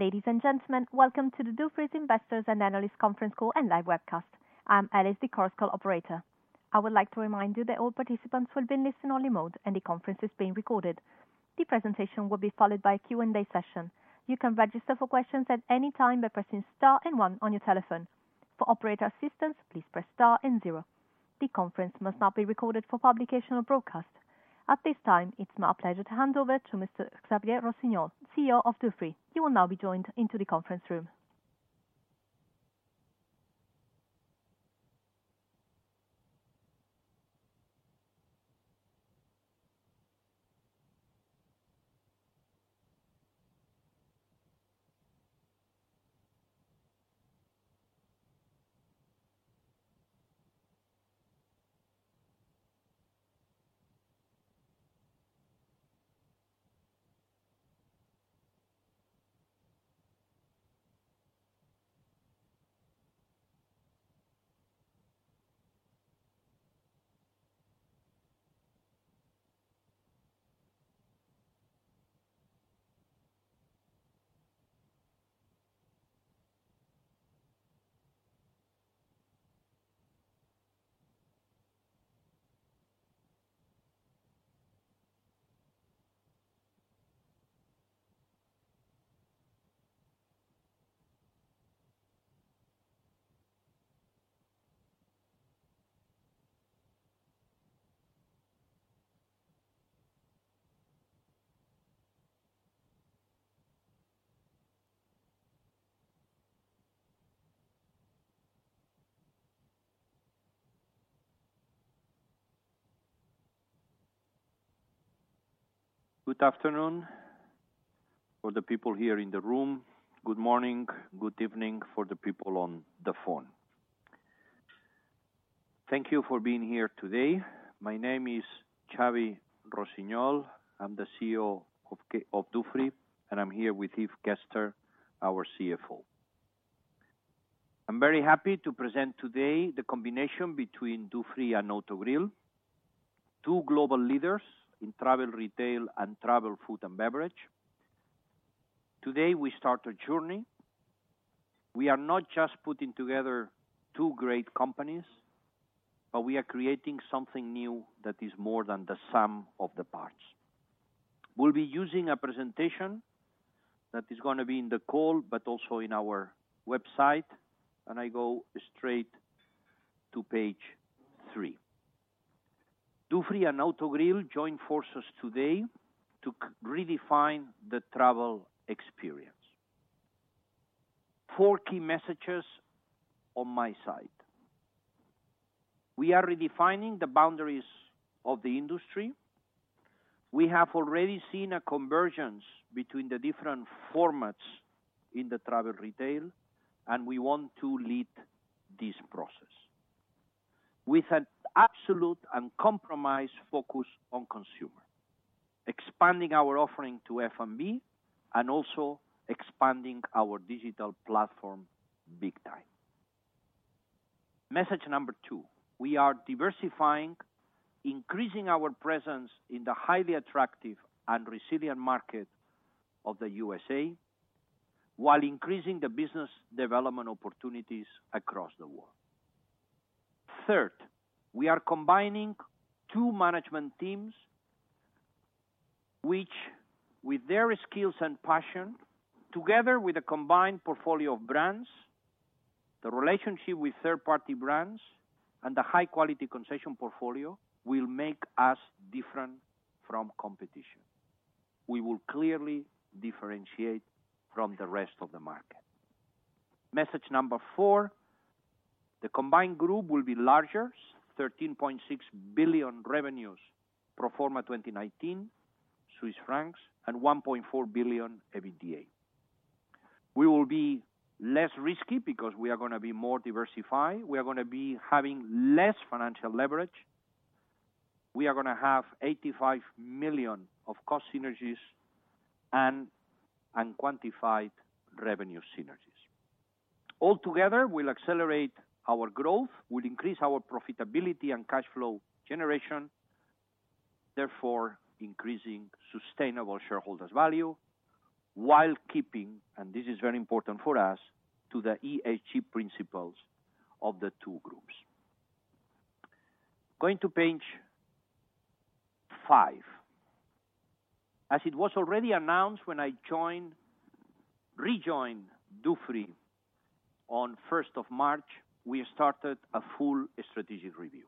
Ladies and gentlemen, welcome to the Avolta Investors and Analyst Conference Call and live webcast. I'm Alice, the Chorus Call operator. I would like to remind you that all participants will be in listen-only mode, and the conference is being recorded. The presentation will be followed by a Q&A session. You can register for questions at any time by pressing star and one on your telephone. For operator assistance, please press star and zero. The conference must not be recorded for publication or broadcast. At this time, it's my pleasure to hand over to Mr. Xavier Rossinyol, CEO of Avolta. He will now be joined into the conference room. Good afternoon for the people here in the room. Good morning, good evening for the people on the phone. Thank you for being here today. My name is Xavier Rossinyol. I'm the CEO of Dufry, and I'm here with Yves Gerster, our CFO. I'm very happy to present today the combination between Dufry and Autogrill, two global leaders in travel, retail and travel food and beverage. Today, we start a journey. We are not just putting together two great companies, but we are creating something new that is more than the sum of the parts. We'll be using a presentation that is gonna be in the call, but also in our website, and I go straight to page three. Dufry and Autogrill join forces today to redefine the travel experience. Four key messages on my side. We are redefining the boundaries of the industry. We have already seen a convergence between the different formats in the travel retail, and we want to lead this process with an absolute uncompromised focus on consumer, expanding our offering to F&B and also expanding our digital platform big time. Message number two, we are diversifying, increasing our presence in the highly attractive and resilient market of the USA, while increasing the business development opportunities across the world. Third, we are combining two management teams, which, with their skills and passion, together with a combined portfolio of brands, the relationship with third-party brands and the high-quality concession portfolio will make us different from competition. We will clearly differentiate from the rest of the market. Message number four, the combined group will be larger, 13.6 billion revenues pro forma 2019 and 1.4 billion Swiss francs EBITDA. We will be less risky because we are gonna be more diversified. We are gonna be having less financial leverage. We are gonna have 85 million of cost synergies and unquantified revenue synergies. All together, we'll accelerate our growth. We'll increase our profitability and cash flow generation, therefore increasing sustainable shareholders value while keeping, and this is very important for us, to the ESG principles of the two groups. Going to page five. As it was already announced when I rejoined Dufry on first of March, we started a full strategic review.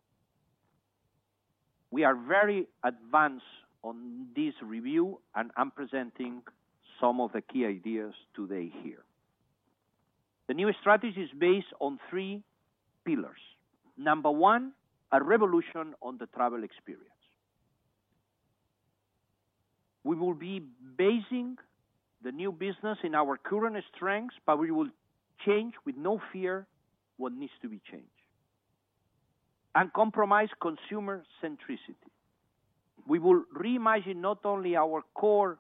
We are very advanced on this review, and I'm presenting some of the key ideas today here. The new strategy is based on three pillars. Number one, a revolution on the travel experience. We will be basing the new business in our current strengths, but we will change with no fear what needs to be changed. Uncompromised consumer centricity. We will reimagine not only our core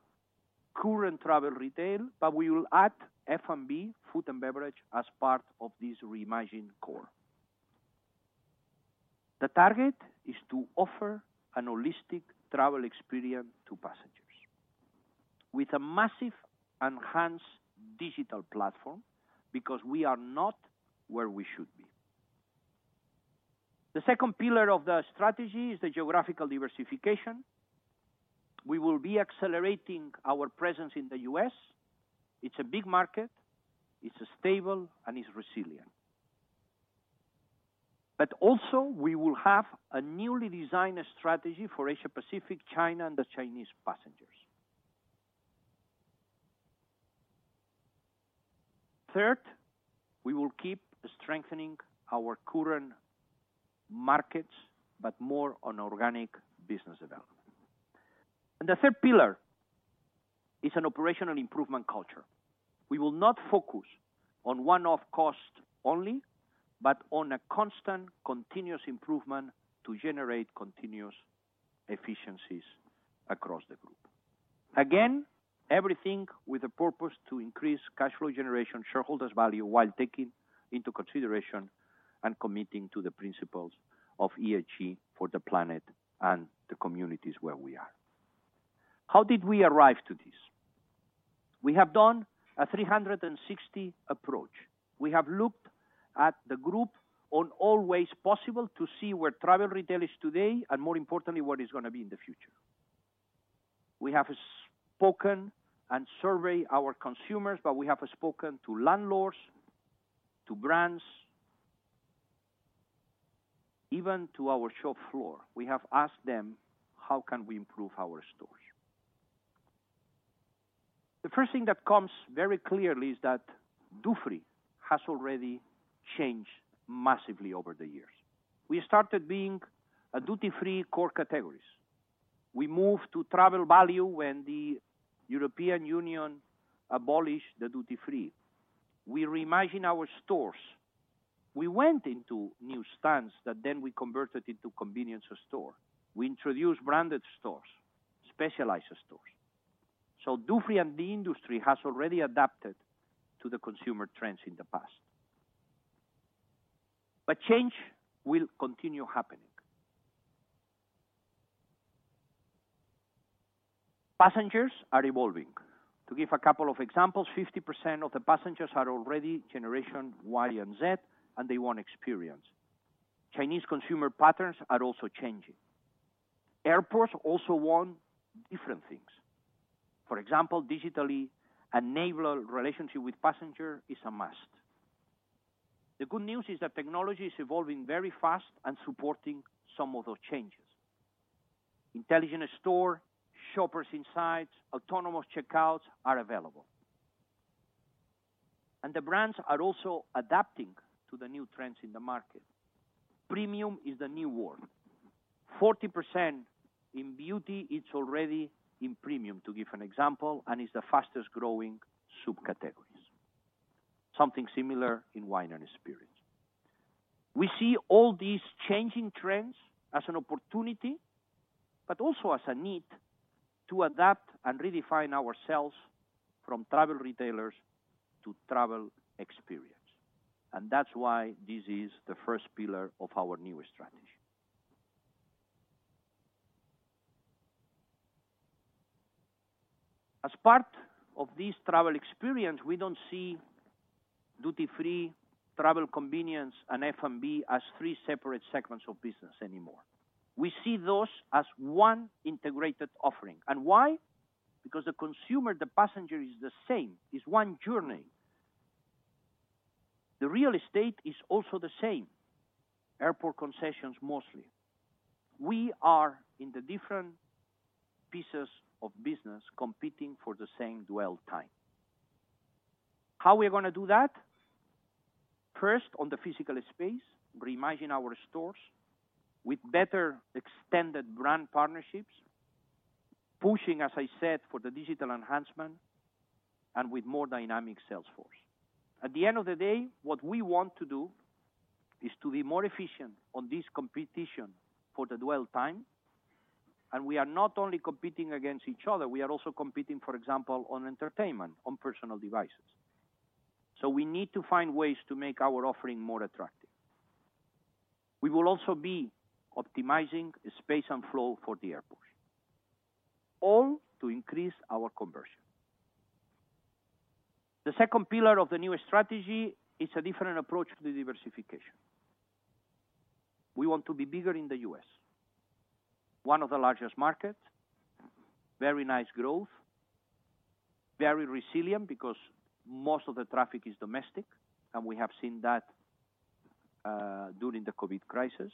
current travel retail, but we will add F&B, food and beverage, as part of this reimagined core. The target is to offer a holistic travel experience to passengers with a massively enhanced digital platform because we are not where we should be. The second pillar of the strategy is the geographical diversification. We will be accelerating our presence in the US. It's a big market, it's stable, and it's resilient. But also we will have a newly designed strategy for Asia-Pacific, China, and the Chinese passengers. Third, we will keep strengthening our current markets, but more on organic business development. The third pillar is an operational improvement culture. We will not focus on one-off cost only, but on a constant continuous improvement to generate continuous efficiencies across the group. Again, everything with the purpose to increase cash flow generation, shareholder value, while taking into consideration and committing to the principles of ESG for the planet and the communities where we are. How did we arrive at this? We have done a 360 approach. We have looked at the group in all ways possible to see where travel retail is today, and more importantly, what is gonna be in the future. We have spoken and surveyed our consumers, but we have spoken to landlords, to brands, even to our shop floor. We have asked them, how can we improve our stores? The first thing that comes very clearly is that Dufry has already changed massively over the years. We started being a duty-free core categories. We moved to travel value when the European Union abolished the duty-free. We reimagine our stores. We went into new stands that then we converted into convenience store. We introduced branded stores, specialized stores. Dufry and the industry has already adapted to the consumer trends in the past. Change will continue happening. Passengers are evolving. To give a couple of examples, 50% of the passengers are already Generation Y and Z, and they want experience. Chinese consumer patterns are also changing. Airports also want different things. For example, digitally-enabled relationship with passenger is a must. The good news is that technology is evolving very fast and supporting some of those changes. Intelligent store, shopper insights, autonomous checkouts are available. The brands are also adapting to the new trends in the market. Premium is the new word. 40% in beauty, it's already in premium to give an example, and is the fastest-growing subcategories. Something similar in wine and spirits. We see all these changing trends as an opportunity, but also as a need to adapt and redefine ourselves from travel retailers to travel experience. That's why this is the first pillar of our new strategy. As part of this travel experience, we don't see duty-free, travel convenience, and F&B as three separate segments of business anymore. We see those as one integrated offering. Why? Because the consumer, the passenger is the same, is one journey. The real estate is also the same. Airport concessions, mostly. We are in the different pieces of business competing for the same dwell time. How we're gonna do that? First, on the physical space, reimagine our stores with better extended brand partnerships, pushing, as I said, for the digital enhancement and with more dynamic sales force. At the end of the day, what we want to do is to be more efficient on this competition for the dwell time. We are not only competing against each other, we are also competing, for example, on entertainment, on personal devices. We need to find ways to make our offering more attractive. We will also be optimizing space and flow for the airport, all to increase our conversion. The second pillar of the new strategy is a different approach to the diversification. We want to be bigger in the U.S. One of the largest markets, very nice growth, very resilient because most of the traffic is domestic, and we have seen that during the COVID-19 crisis.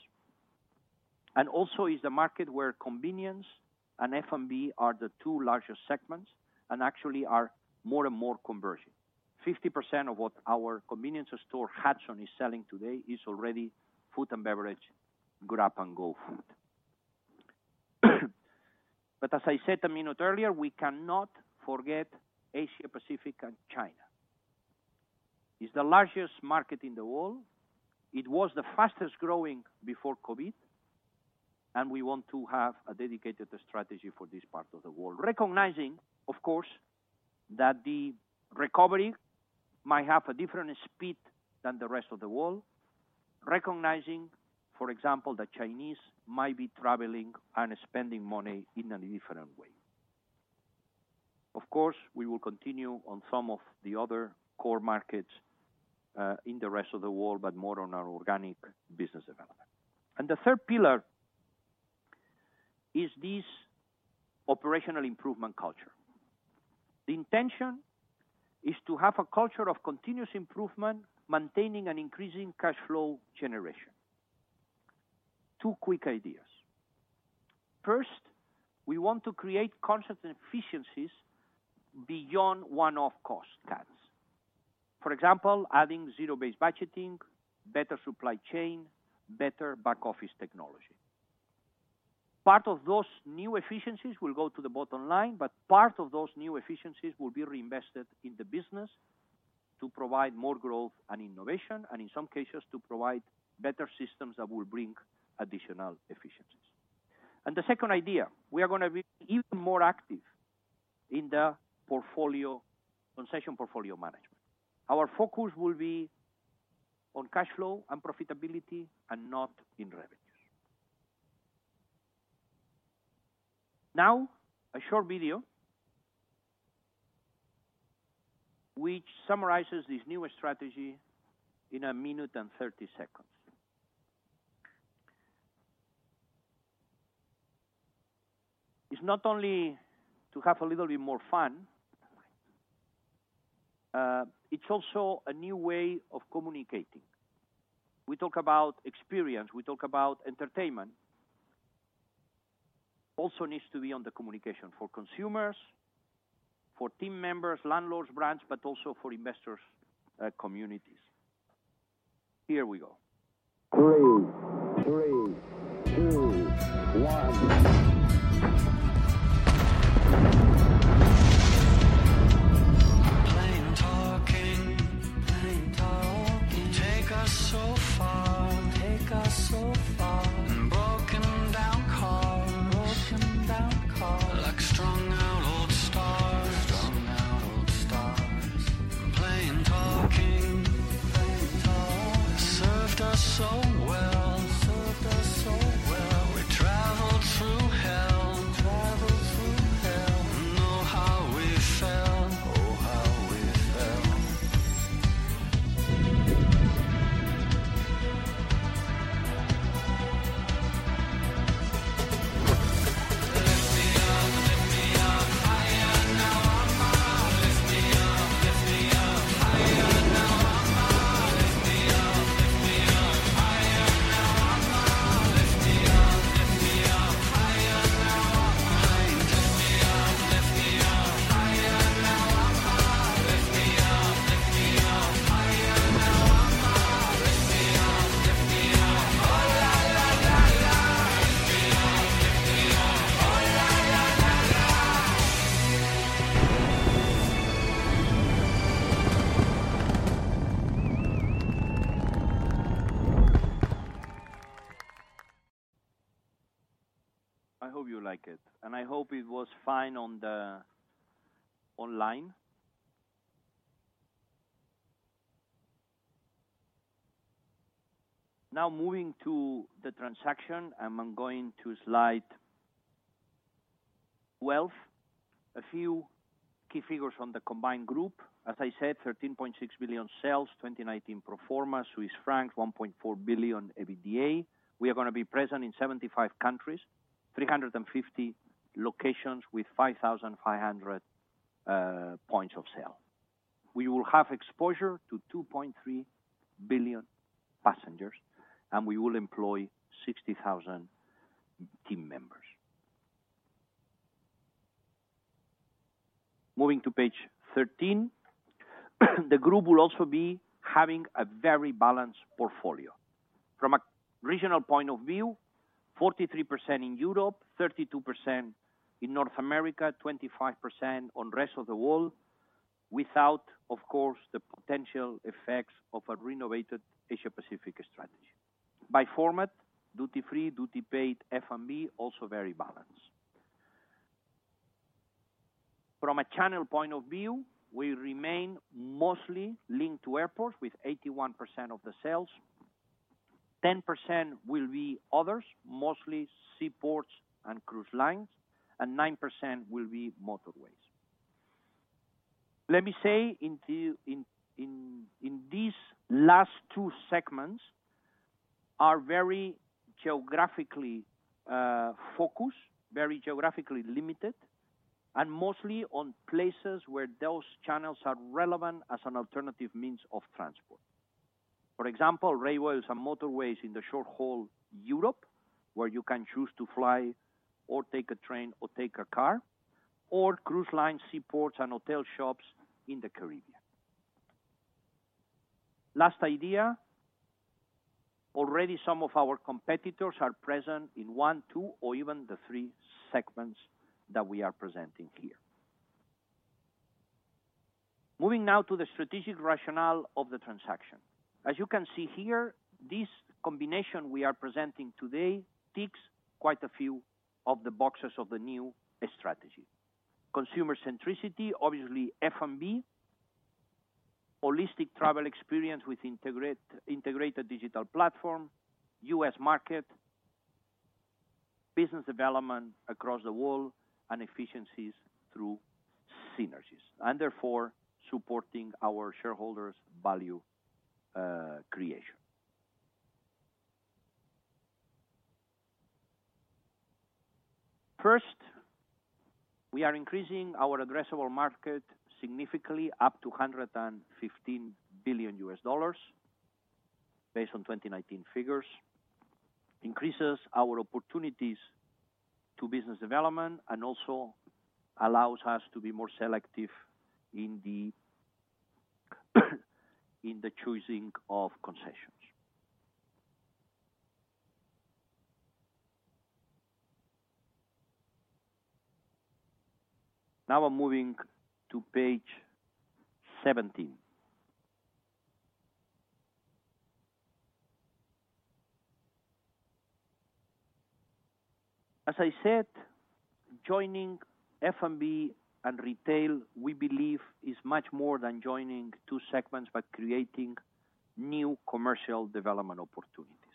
Also is the market where convenience and F&B are the two largest segments, and actually are more and more conversion. 50% of what our convenience store Hudson is selling today is already food and beverage, grab and go food. As I said a minute earlier, we cannot forget Asia-Pacific and China. It's the largest market in the world. It was the fastest-growing before COVID. We want to have a dedicated strategy for this part of the world. Recognizing, of course, that the recovery might have a different speed than the rest of the world. Recognizing, for example, the Chinese might be traveling and spending money in a different way. Of course, we will continue on some of the other core markets, in the rest of the world, but more on our organic business development. The third pillar is this operational improvement culture. The intention is to have a culture of continuous improvement, maintaining and increasing cash flow generation. Two quick ideas. First, we want to create constant efficiencies beyond one-off cost cuts. For example, adding zero-based budgeting, better supply chain, better back-office technology. Part of those new efficiencies will go to the bottom line, but part of those new efficiencies will be reinvested in the business to provide more growth and innovation, and in some cases, to provide better systems that will bring additional efficiencies. The second idea, we are gonna be even more active in the portfolio, concession portfolio management. Our focus will be on cash flow and profitability and not in revenues. Now, a short video which summarizes this new strategy in a minute and 30 seconds. It's not only to have a little bit more fun, it's also a new way of communicating. We talk about experience, we talk about entertainment. Also needs to be on the communication for consumers, for team members, landlords, brands, but also for investors, communities. Here we go. 3, 2, 1. I hope you like it, and I hope it was fine on the online. Now, moving to the transaction, I'm going to slide 12. A few key figures on the combined group. As I said, 13.6 billion sales, 2019 pro forma. Swiss francs 1.4 billion EBITDA. We are gonna be present in 75 countries, 350 locations with 5,500 points of sale. We will have exposure to 2.3 billion passengers, and we will employ 60,000 team members. Moving to page 13, the group will also be having a very balanced portfolio. From a regional point of view, 43% in Europe, 32% in North America, 25% on rest of the world, without, of course, the potential effects of a renovated Asia-Pacific strategy. By format, duty-free, duty paid, F&B also very balanced. From a channel point of view, we remain mostly linked to airports with 81% of the sales. 10% will be others, mostly seaports and cruise lines, and 9% will be motorways. Let me say these last two segments are very geographically focused, very geographically limited, and mostly on places where those channels are relevant as an alternative means of transport. For example, railways and motorways in the short-haul Europe, where you can choose to fly or take a train or take a car, or cruise line seaports and hotel shops in the Caribbean. Last idea, already some of our competitors are present in one, two, or even the three segments that we are presenting here. Moving now to the strategic rationale of the transaction. As you can see here, this combination we are presenting today ticks quite a few of the boxes of the new strategy. Consumer centricity, obviously F&B, holistic travel experience with integrated digital platform, U.S. market, business development across the world, and efficiencies through synergies, and therefore, supporting our shareholders' value creation. First, we are increasing our addressable market significantly up to $115 billion based on 2019 figures. Increases our opportunities to business development and also allows us to be more selective in the choosing of concessions. Now we're moving to page 17. As I said, joining F&B and retail, we believe is much more than joining two segments, but creating new commercial development opportunities.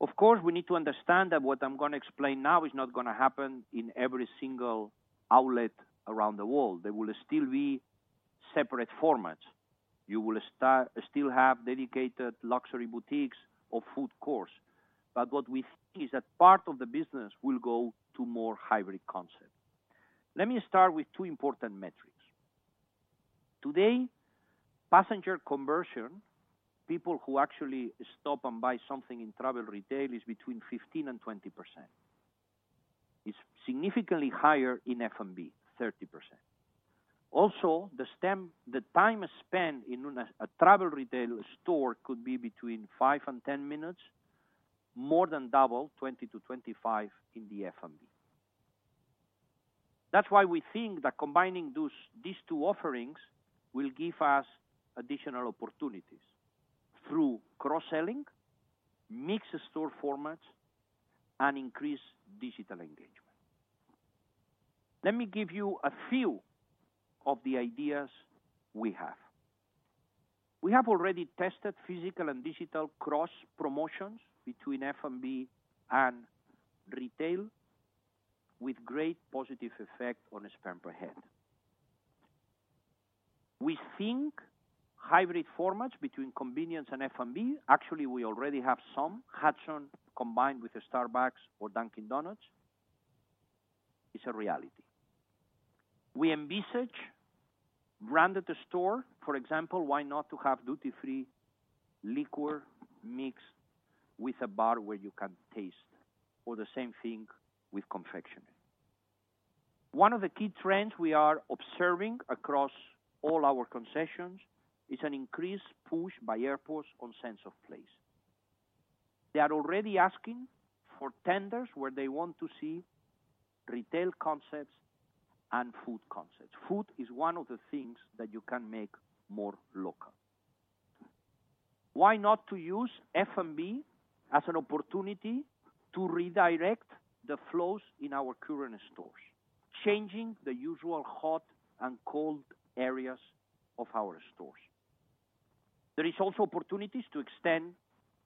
Of course, we need to understand that what I'm gonna explain now is not gonna happen in every single outlet around the world. There will still be separate formats. You will still have dedicated luxury boutiques or food courts, but what we see is that part of the business will go to more hybrid concept. Let me start with two important metrics. Today, passenger conversion, people who actually stop and buy something in travel retail is between 15% and 20%. It's significantly higher in F&B, 30%. Also, the time spent in a travel retail store could be between five and 10 minutes, more than double, 20-25 in the F&B. That's why we think that combining these two offerings will give us additional opportunities through cross-selling, mixed store formats, and increased digital engagement. Let me give you a few of the ideas we have. We have already tested physical and digital cross promotions between F&B and retail with great positive effect on the spend per head. We think hybrid formats between convenience and F&B, actually, we already have some, Hudson combined with Starbucks or Dunkin' Donuts is a reality. We envisage branded store. For example, why not to have duty-free liquor mixed with a bar where you can taste or the same thing with confectionary? One of the key trends we are observing across all our concessions is an increased push by airports on sense of place. They are already asking for tenders where they want to see retail concepts and food concepts. Food is one of the things that you can make more local. Why not to use F&B as an opportunity to redirect the flows in our current stores, changing the usual hot and cold areas of our stores? There is also opportunities to extend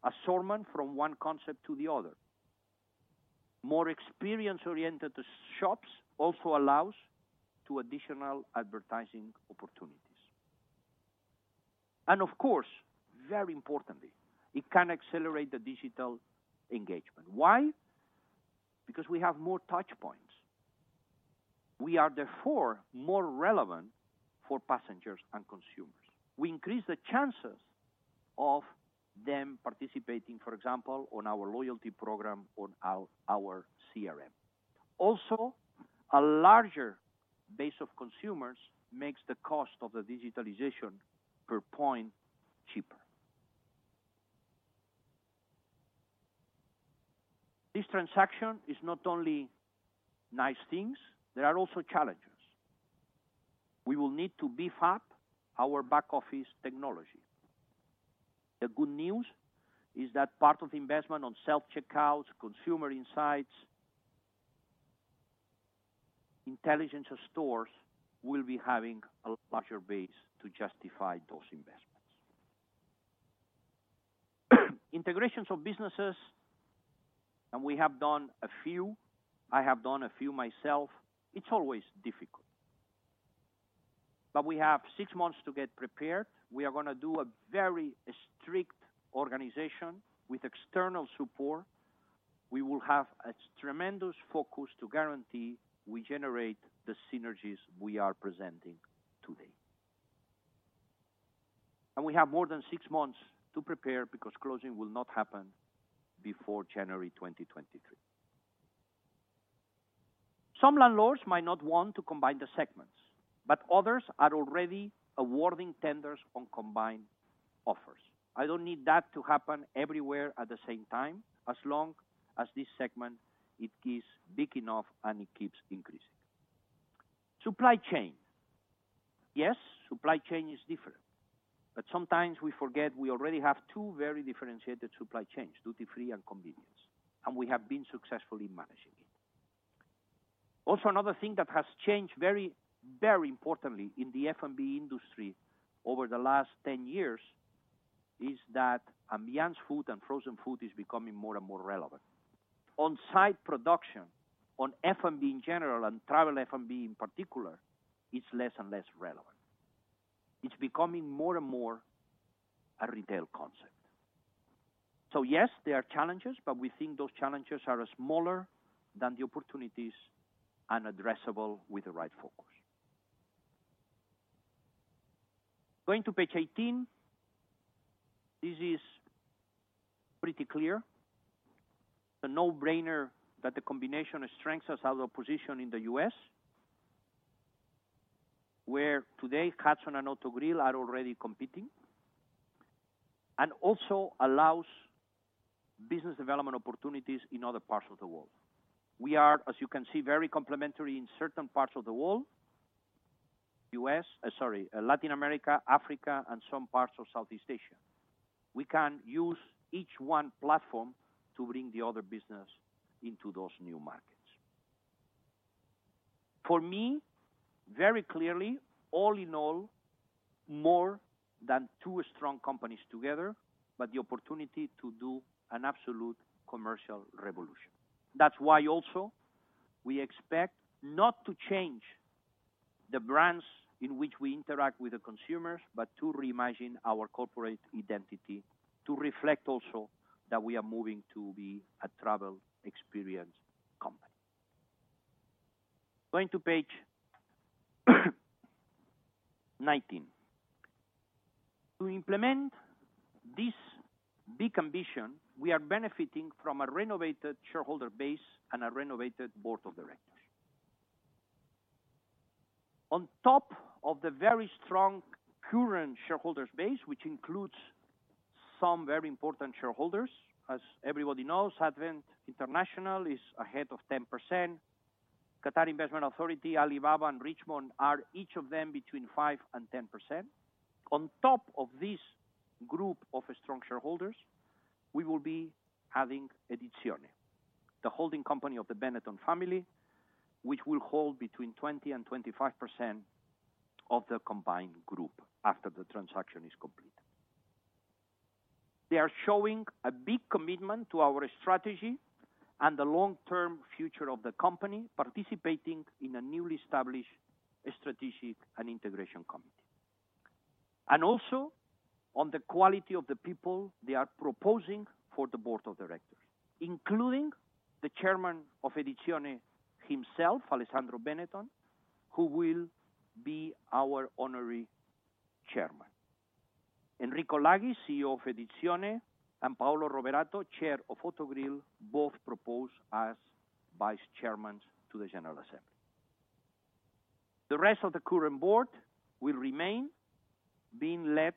assortment from one concept to the other. More experience-oriented shops also allows to additional advertising opportunities. Of course, very importantly, it can accelerate the digital engagement. Why? Because we have more touch points. We are therefore more relevant for passengers and consumers. We increase the chances of them participating, for example, on our loyalty program on our CRM. Also, a larger base of consumers makes the cost of the digitalization per point cheaper. This transaction is not only nice things, there are also challenges. We will need to beef up our back-office technology. The good news is that part of the investment on self-checkouts, consumer insights, intelligence of stores will be having a larger base to justify those investments. Integrations of businesses, and we have done a few, I have done a few myself, it's always difficult. We have six months to get prepared. We are gonna do a very strict organization with external support. We will have a tremendous focus to guarantee we generate the synergies we are presenting today. We have more than six months to prepare because closing will not happen before January 2023. Some landlords might not want to combine the segments, but others are already awarding tenders on combined concepts, offers. I don't need that to happen everywhere at the same time, as long as this segment, it is big enough and it keeps increasing. Supply chain. Yes, supply chain is different, but sometimes we forget we already have two very differentiated supply chains, duty-free and convenience, and we have been successfully managing it. Also, another thing that has changed very, very importantly in the F&B industry over the last 10 years is that ambient food and frozen food is becoming more and more relevant. On-site production of F&B in general and travel F&B in particular, is less and less relevant. It's becoming more and more a retail concept. Yes, there are challenges, but we think those challenges are smaller than the opportunities and addressable with the right focus. Going to page 18. This is pretty clear. It's a no-brainer that the combination strengthens our position in the U.S., where today Hudson and Autogrill are already competing, and also allows business development opportunities in other parts of the world. We are, as you can see, very complementary in certain parts of the world, Latin America, Africa, and some parts of Southeast Asia. We can use each one platform to bring the other business into those new markets. For me, very clearly, all in all, more than two strong companies together, but the opportunity to do an absolute commercial revolution. That's why also we expect not to change the brands in which we interact with the consumers, but to reimagine our corporate identity to reflect also that we are moving to be a travel experience company. Going to page 19. To implement this big ambition, we are benefiting from a renovated shareholder base and a renovated board of directors. On top of the very strong current shareholder base, which includes some very important shareholders. As everybody knows, Advent International is ahead of 10%. Qatar Investment Authority, Alibaba, and Richemont are each of them between 5% and 10%. On top of this group of strong shareholders, we will be adding Edizione, the holding company of the Benetton family, which will hold between 20% and 25% of the combined group after the transaction is complete. They are showing a big commitment to our strategy and the long-term future of the company, participating in a newly established strategic and integration committee. Also on the quality of the people they are proposing for the board of directors, including the Chairman of Edizione himself, Alessandro Benetton, who will be our Honorary Chairman. Enrico Laghi, CEO of Edizione, and Paolo Roverato, Chair of Autogrill, both proposed as vice chairman to the General Assembly. The rest of the current board will remain being led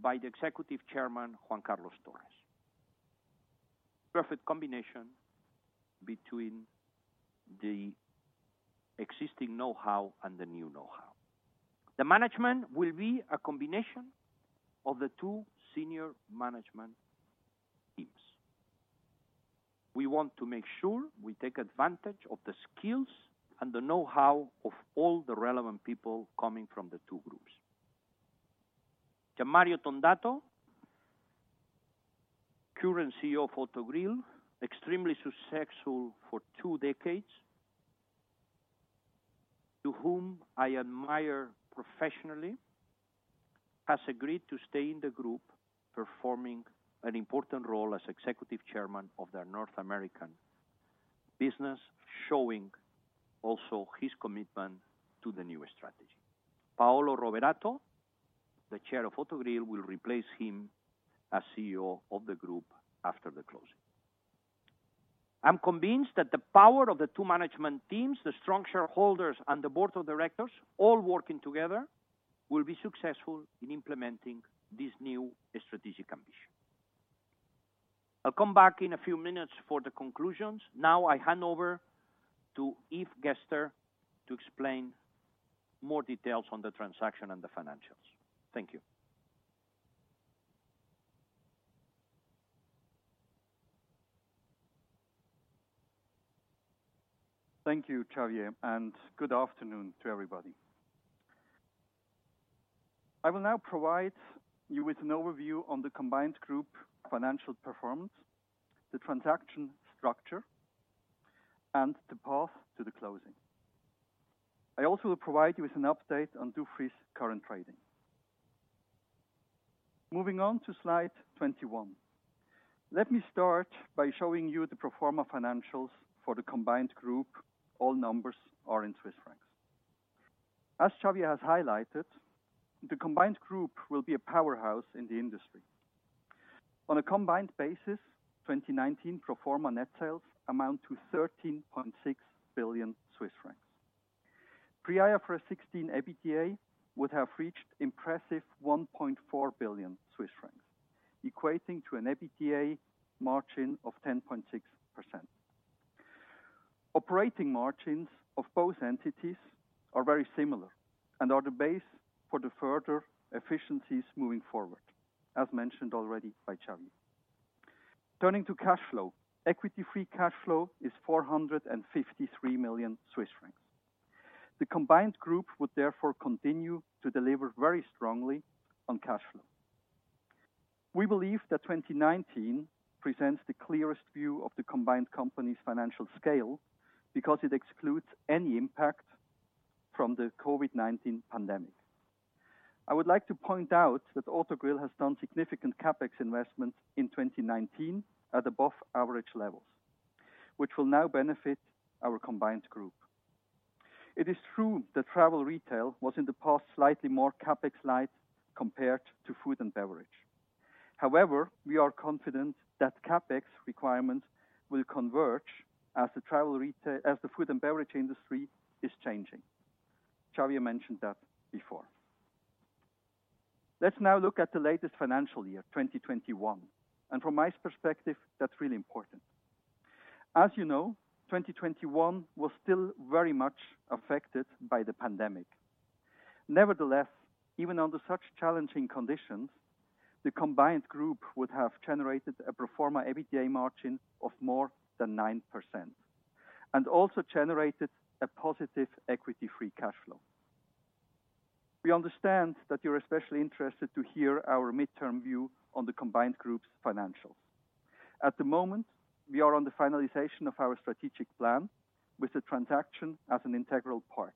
by the Executive Chairman, Juan Carlos Torres. Perfect combination between the existing know-how and the new know-how. The management will be a combination of the two senior management teams. We want to make sure we take advantage of the skills and the know-how of all the relevant people coming from the two groups. Giammario Tondato Da Ruos, current CEO of Autogrill, extremely successful for two decades, to whom I admire professionally, has agreed to stay in the group, performing an important role as executive chairman of their North American business, showing also his commitment to the new strategy. Paolo Roverato, the chair of Autogrill, will replace him as CEO of the group after the closing. I'm convinced that the power of the two management teams, the strong shareholders, and the board of directors all working together will be successful in implementing this new strategic ambition. I'll come back in a few minutes for the conclusio ns. Now I hand over to Yves Gerster to explain more details on the transaction and the financials. Thank you. Thank you, Xavier, and good afternoon to everybody. I will now provide you with an overview on the combined group financial performance, the transaction structure, and the path to the closing. I also will provide you with an update on Dufry's current trading. Moving on to slide 21. Let me start by showing you the pro forma financials for the combined group. All numbers are in Swiss francs. As Xavier has highlighted, the combined group will be a powerhouse in the industry. On a combined basis, 2019 pro forma net sales amount to 13.6 billion Swiss francs. Pre-IFRS 16 EBITDA would have reached impressive 1.4 billion Swiss francs, equating to an EBITDA margin of 10.6%. Operating margins of both entities are very similar and are the base for the further efficiencies moving forward, as mentioned already by Xavi. Turning to cash flow, equity-free cash flow is 453 million Swiss francs. The combined group would therefore continue to deliver very strongly on cash flow. We believe that 2019 presents the clearest view of the combined company's financial scale because it excludes any impact from the COVID-19 pandemic. I would like to point out that Autogrill has done significant CapEx investments in 2019 at above average levels, which will now benefit our combined group. It is true that travel retail was in the past slightly more CapEx-light compared to food and beverage. However, we are confident that CapEx requirements will converge as the food and beverage industry is changing. Xavi mentioned that before. Let's now look at the latest financial year, 2021. From my perspective, that's really important. As you know, 2021 was still very much affected by the pandemic. Nevertheless, even under such challenging conditions, the combined group would have generated a pro forma EBITDA margin of more than 9%, and also generated a positive free cash flow to equity. We understand that you're especially interested to hear our mid-term view on the combined group's financials. At the moment, we are on the finalization of our strategic plan with the transaction as an integral part.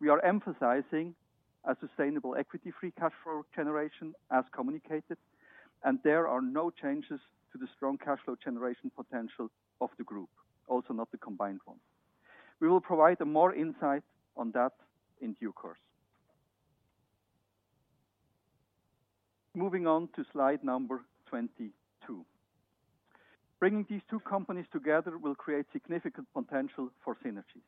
We are emphasizing a sustainable free cash flow to equity generation as communicated, and there are no changes to the strong cash flow generation potential of the group, also not the combined one. We will provide more insight on that in due course. Moving on to slide number 22. Bringing these two companies together will create significant potential for synergies.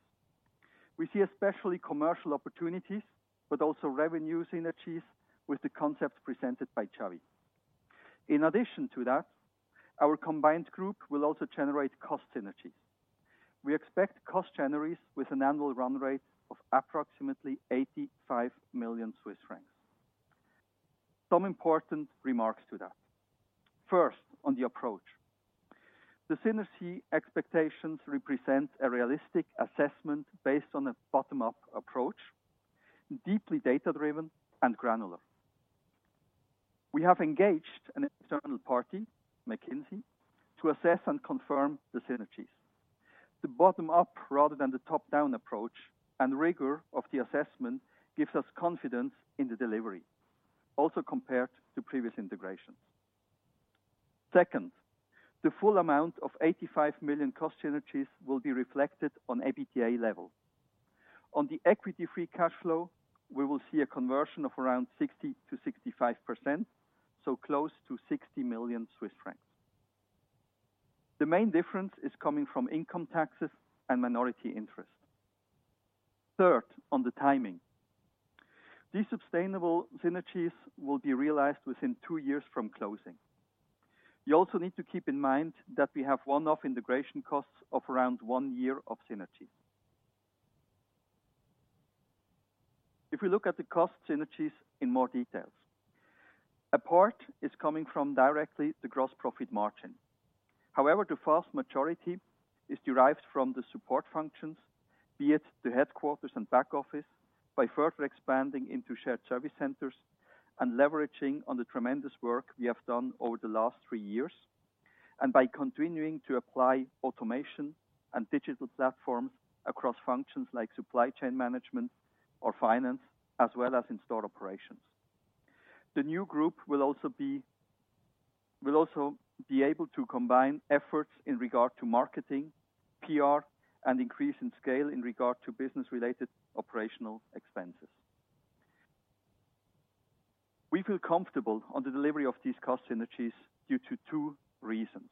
We see especially commercial opportunities, but also revenue synergies with the concepts presented by Xavi. In addition to that, our combined group will also generate cost synergies. We expect cost synergies with an annual run rate of approximately 85 million Swiss francs. Some important remarks to that. First, on the approach. The synergy expectations represent a realistic assessment based on a bottom-up approach, deeply data-driven and granular. We have engaged an external party, McKinsey, to assess and confirm the synergies. The bottom-up rather than the top-down approach and rigor of the assessment gives us confidence in the delivery, also compared to previous integrations. Second, the full amount of 85 million cost synergies will be reflected on EBITDA level. On the equity-free cash flow, we will see a conversion of around 60%-65%, so close to 60 million Swiss francs. The main difference is coming from income taxes and minority interest. Third, on the timing. These sustainable synergies will be realized within two years from closing. You also need to keep in mind that we have one-off integration costs of around one year of synergies. If we look at the cost synergies in more detail. A part is coming from directly the gross profit margin. However, the vast majority is derived from the support functions, be it the headquarters and back office by further expanding into shared service centers and leveraging on the tremendous work we have done over the last three years, and by continuing to apply automation and digital platforms across functions like supply chain management or finance, as well as in store operations. The new group will also be able to combine efforts in regard to marketing, PR, and increase in scale in regard to business-related operational expenses. We feel comfortable on the delivery of these cost synergies due to two reasons.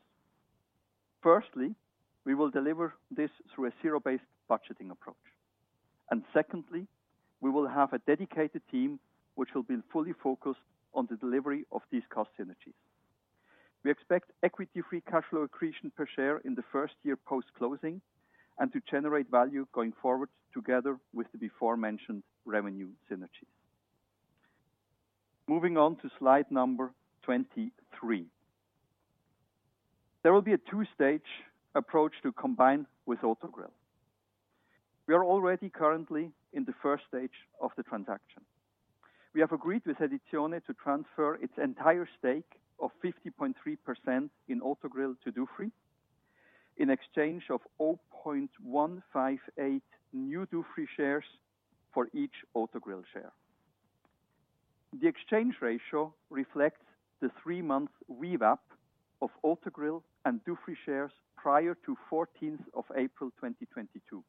Firstly, we will deliver this through a zero-based budgeting approach. Secondly, we will have a dedicated team which will be fully focused on the delivery of these cost synergies. We expect equity-free cash flow accretion per share in the first year post-closing and to generate value going forward together with the before mentioned revenue synergies. Moving on to slide 23. There will be a two-stage approach to combine with Autogrill. We are already currently in the first stage of the transaction. We have agreed with Edizione to transfer its entire stake of 50.3% in Autogrill to Dufry in exchange of 0.158 new Dufry shares for each Autogrill share. The exchange ratio reflects the 3-month VWAP of Autogrill and Dufry shares prior to 14th of April 2022.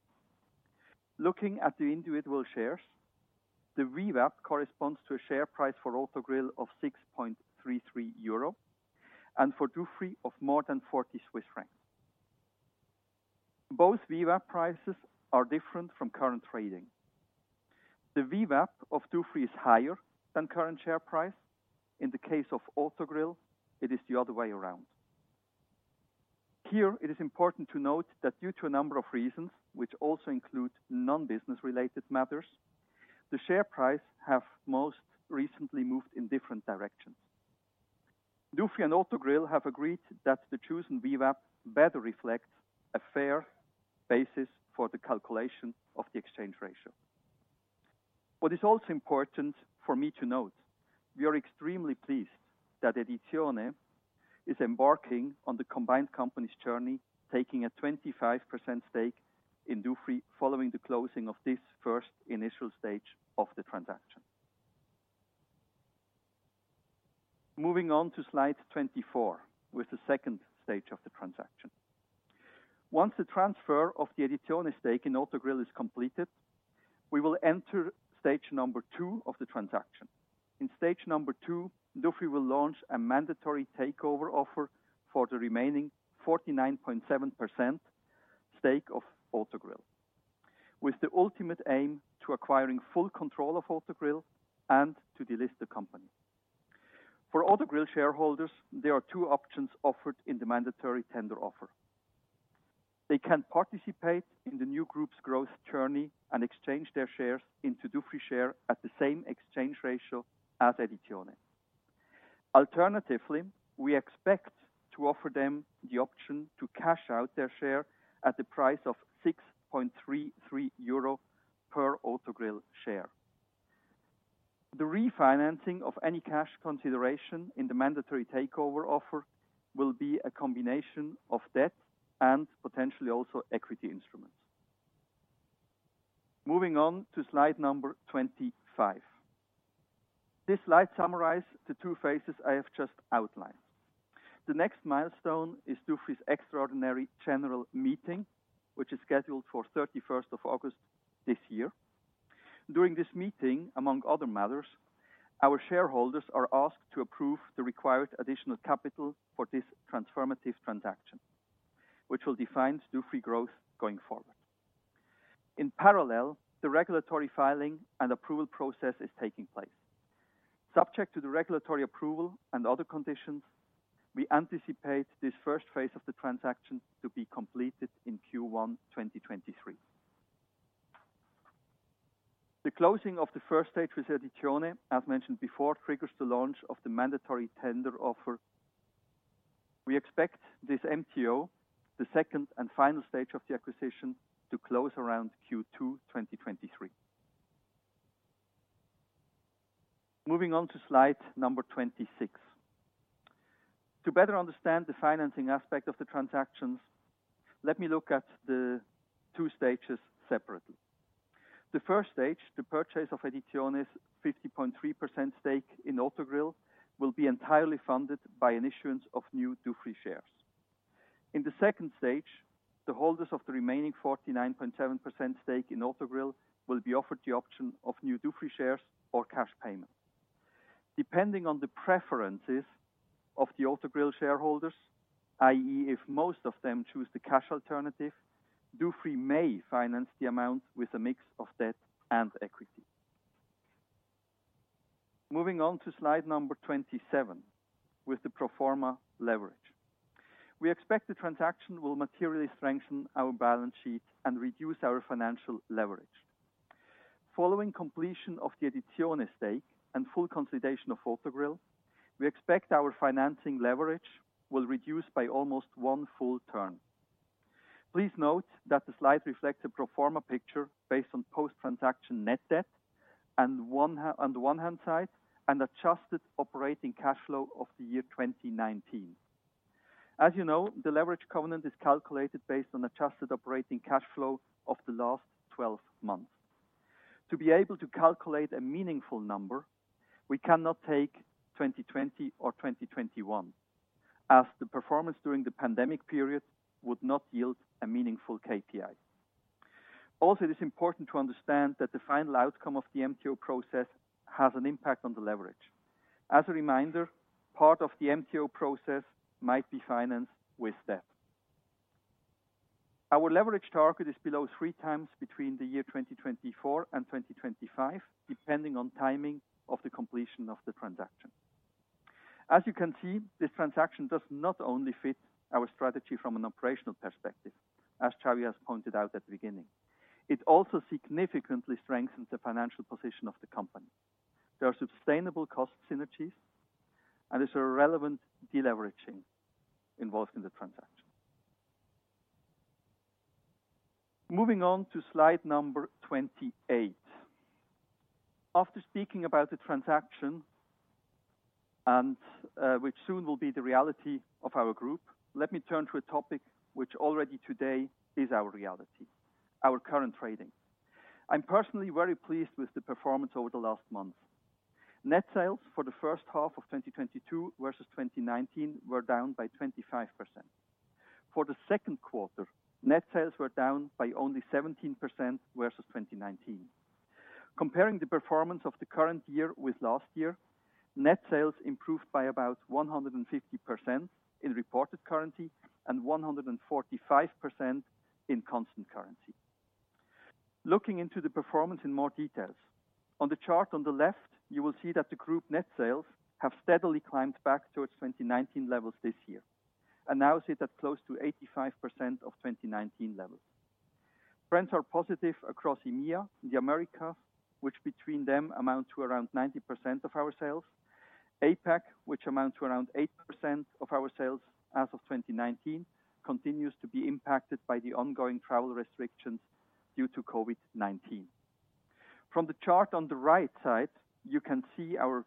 Looking at the individual shares, the VWAP corresponds to a share price for Autogrill of 6.33 euro and for Dufry of more than 40 Swiss francs. Both VWAP prices are different from current trading. The VWAP of Dufry is higher than current share price. In the case of Autogrill, it is the other way around. Here, it is important to note that due to a number of reasons, which also include non-business related matters, the share prices have most recently moved in different directions. Dufry and Autogrill have agreed that the chosen VWAP better reflects a fair basis for the calculation of the exchange ratio. What is also important for me to note, we are extremely pleased that Edizione is embarking on the combined company's journey, taking a 25% stake in Dufry following the closing of this first initial stage of the transaction. Moving on to slide 24, with the second stage of the transaction. Once the transfer of the Edizione stake in Autogrill is completed, we will enter stage number two of the transaction. In stage number two, Dufry will launch a mandatory takeover offer for the remaining 49.7% stake of Autogrill, with the ultimate aim to acquiring full control of Autogrill and to delist the company. For Autogrill shareholders, there are two options offered in the mandatory tender offer. They can participate in the new group's growth journey and exchange their shares into Dufry share at the same exchange ratio as Edizione. Alternatively, we expect to offer them the option to cash out their share at the price of 6.33 euro per Autogrill share. The refinancing of any cash consideration in the mandatory takeover offer will be a combination of debt and potentially also equity instruments. Moving on to slide 25. This slide summarize the two phases I have just outlined. The next milestone is Dufry's extraordinary general meeting, which is scheduled for 31st of August this year. During this meeting, among other matters, our shareholders are asked to approve the required additional capital for this transformative transaction, which will define Dufry growth going forward. In parallel, the regulatory filing and approval process is taking place. Subject to the regulatory approval and other conditions, we anticipate this first phase of the transaction to be completed in Q1 2023. The closing of the first stage with Edizione, as mentioned before, triggers the launch of the mandatory tender offer. We expect this MTO, the second and final stage of the acquisition, to close around Q2 2023. Moving on to slide 26. To better understand the financing aspect of the transactions, let me look at the two stages separately. The first stage, the purchase of Edizione's 50.3% stake in Autogrill, will be entirely funded by an issuance of new Dufry shares. In the second stage, the holders of the remaining 49.7% stake in Autogrill will be offered the option of new Dufry shares or cash payment. Depending on the preferences of the Autogrill shareholders, i.e., if most of them choose the cash alternative, Dufry may finance the amount with a mix of debt and equity. Moving on to slide number 27, with the pro forma leverage. We expect the transaction will materially strengthen our balance sheet and reduce our financial leverage. Following completion of the Edizione stake and full consolidation of Autogrill, we expect our financing leverage will reduce by almost one full turn. Please note that the slide reflects a pro forma picture based on post-transaction net debt and on the one-hand side, an adjusted operating cash flow of the year 2019. As you know, the leverage covenant is calculated based on adjusted operating cash flow of the last 12 months. To be able to calculate a meaningful number, we cannot take 2020 or 2021, as the performance during the pandemic period would not yield a meaningful KPI. Also, it is important to understand that the final outcome of the MTO process has an impact on the leverage. As a reminder, part of the MTO process might be financed with debt. Our leverage target is below 3x between 2024 and 2025, depending on timing of the completion of the transaction. As you can see, this transaction does not only fit our strategy from an operational perspective, as Xavi has pointed out at the beginning. It also significantly strengthens the financial position of the company. There are sustainable cost synergies, and there's a relevant deleveraging involved in the transaction. Moving on to slide 28. After speaking about the transaction and which soon will be the reality of our group, let me turn to a topic which already today is our reality, our current trading. I'm personally very pleased with the performance over the last months. Net sales for the first half of 2022 versus 2019 were down by 25%. For the second quarter, net sales were down by only 17% versus 2019. Comparing the performance of the current year with last year, net sales improved by about 150% in reported currency and 145% in constant currency. Looking into the performance in more details. On the chart on the left, you will see that the group net sales have steadily climbed back towards 2019 levels this year, and now sit at close to 85% of 2019 levels. Trends are positive across EMEA, the Americas, which between them amount to around 90% of our sales. APAC, which amounts to around 8% of our sales as of 2019, continues to be impacted by the ongoing travel restrictions due to COVID-19. From the chart on the right side, you can see our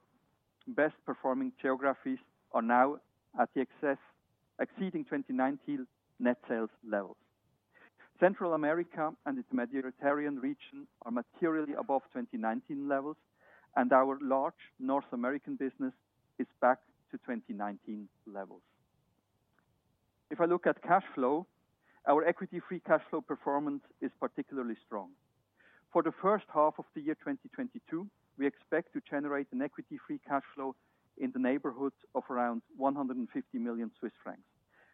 best-performing geographies are now at the excess, exceeding 2019 net sales levels. Central America and its Mediterranean region are materially above 2019 levels, and our large North American business is back to 2019 levels. If I look at cash flow, our equity-free cash flow performance is particularly strong. For the first half of the year 2022, we expect to generate an equity free cash flow in the neighborhood of around 150 million Swiss francs,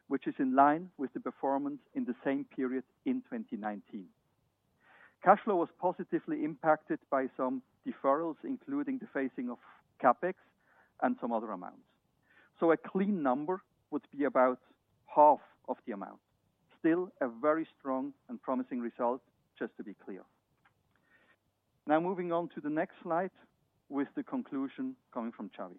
which is in line with the performance in the same period in 2019. Cash flow was positively impacted by some deferrals, including the phasing of CapEx and some other amounts. A clean number would be about half of the amount. Still a very strong and promising result, just to be clear. Now moving on to the next slide with the conclusion coming from Xavier.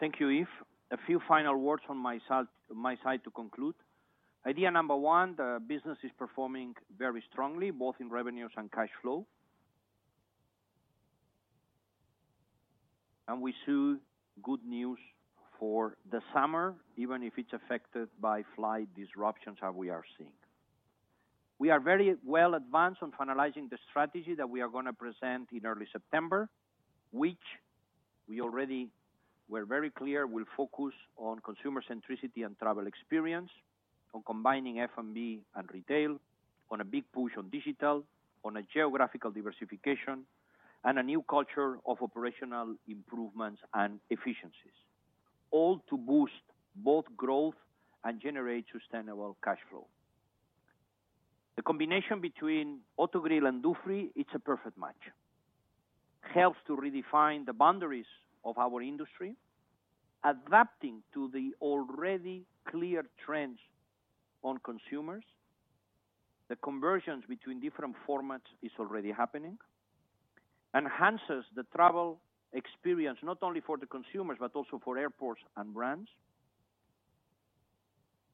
Thank you, Yves. A few final words on my side to conclude. Idea number one, the business is performing very strongly, both in revenues and cash flow. We see good news for the summer, even if it's affected by flight disruptions that we are seeing. We are very well advanced on finalizing the strategy that we are gonna present in early September, which we already were very clear will focus on consumer centricity and travel experience, on combining F&B and retail, on a big push on digital, on a geographical diversification, and a new culture of operational improvements and efficiencies, all to boost both growth and generate sustainable cash flow. The combination between Autogrill and Dufry, it's a perfect match. Helps to redefine the boundaries of our industry, adapting to the already clear trends on consumers. The conversions between different formats is already happening. Enhances the travel experience, not only for the consumers, but also for airports and brands.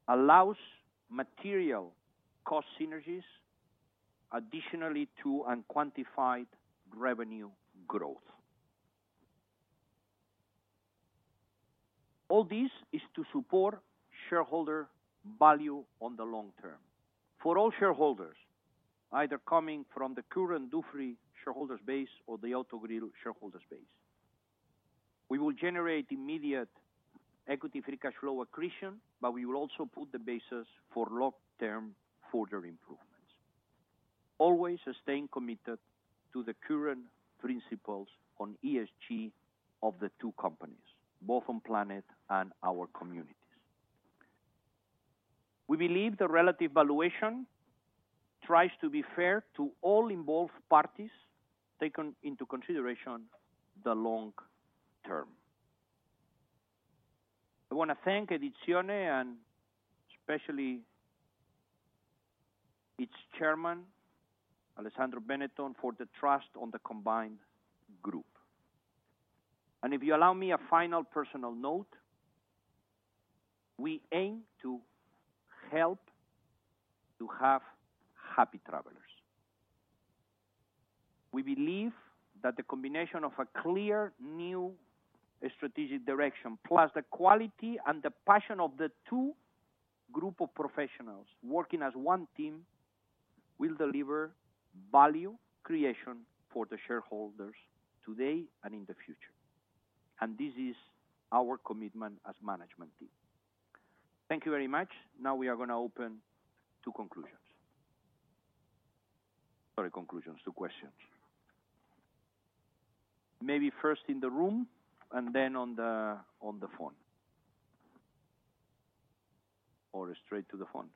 Allows material cost synergies additionally to unquantified revenue growth. All this is to support shareholder value on the long term for all shareholders, either coming from the current Dufry shareholders base or the Autogrill shareholders base. We will generate immediate equity-free cash flow accretion, but we will also put the basis for long-term further improvements, always staying committed to the current principles on ESG of the two companies, both on planet and our communities. We believe the relative valuation tries to be fair to all involved parties taken into consideration the long term. I wanna thank Edizione and especially its Chairman, Alessandro Benetton, for the trust on the combined group. If you allow me a final personal note, we aim to help to have happy travelers. We believe that the combination of a clear new strategic direction, plus the quality and the passion of the two group of professionals working as one team, will deliver value creation for the shareholders today and in the future. This is our commitment as management team. Thank you very much. Now we are gonna open to conclusions. Not conclusions to questions. Maybe first in the room and then on the phone. Or straight to the phone.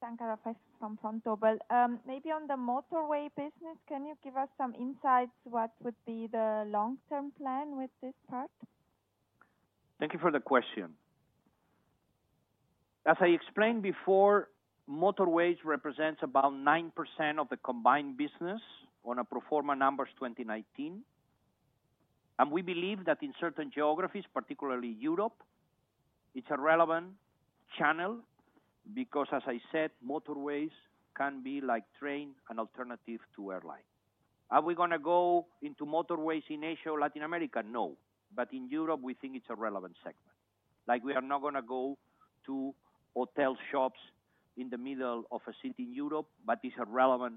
Sana Rafay from Vontobel. Maybe on the motorway business, can you give us some insights what would be the long-term plan with this part? Thank you for the question. As I explained before, motorways represents about 9% of the combined business on a pro forma numbers 2019. We believe that in certain geographies, particularly Europe, it's a relevant channel because as I said, motorways can be like train, an alternative to airline. Are we gonna go into motorways in Asia or Latin America? No. But in Europe, we think it's a relevant segment. Like, we are not gonna go to hotel shops in the middle of a city in Europe, but it's a relevant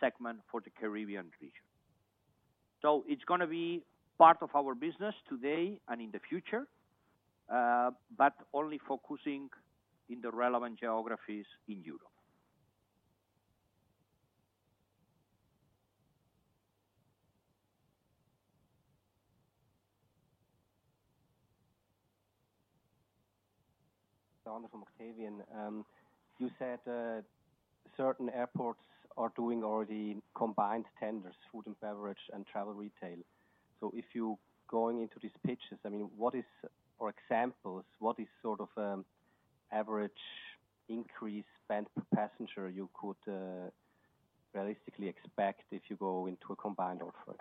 segment for the Caribbean region. It's gonna be part of our business today and in the future, but only focusing in the relevant geographies in Europe. From Octavian. You said certain airports are doing already combined tenders, food and beverage and travel retail. If you're going into these pitches, I mean, what is sort of average increase spend per passenger you could realistically expect if you go into a combined offer?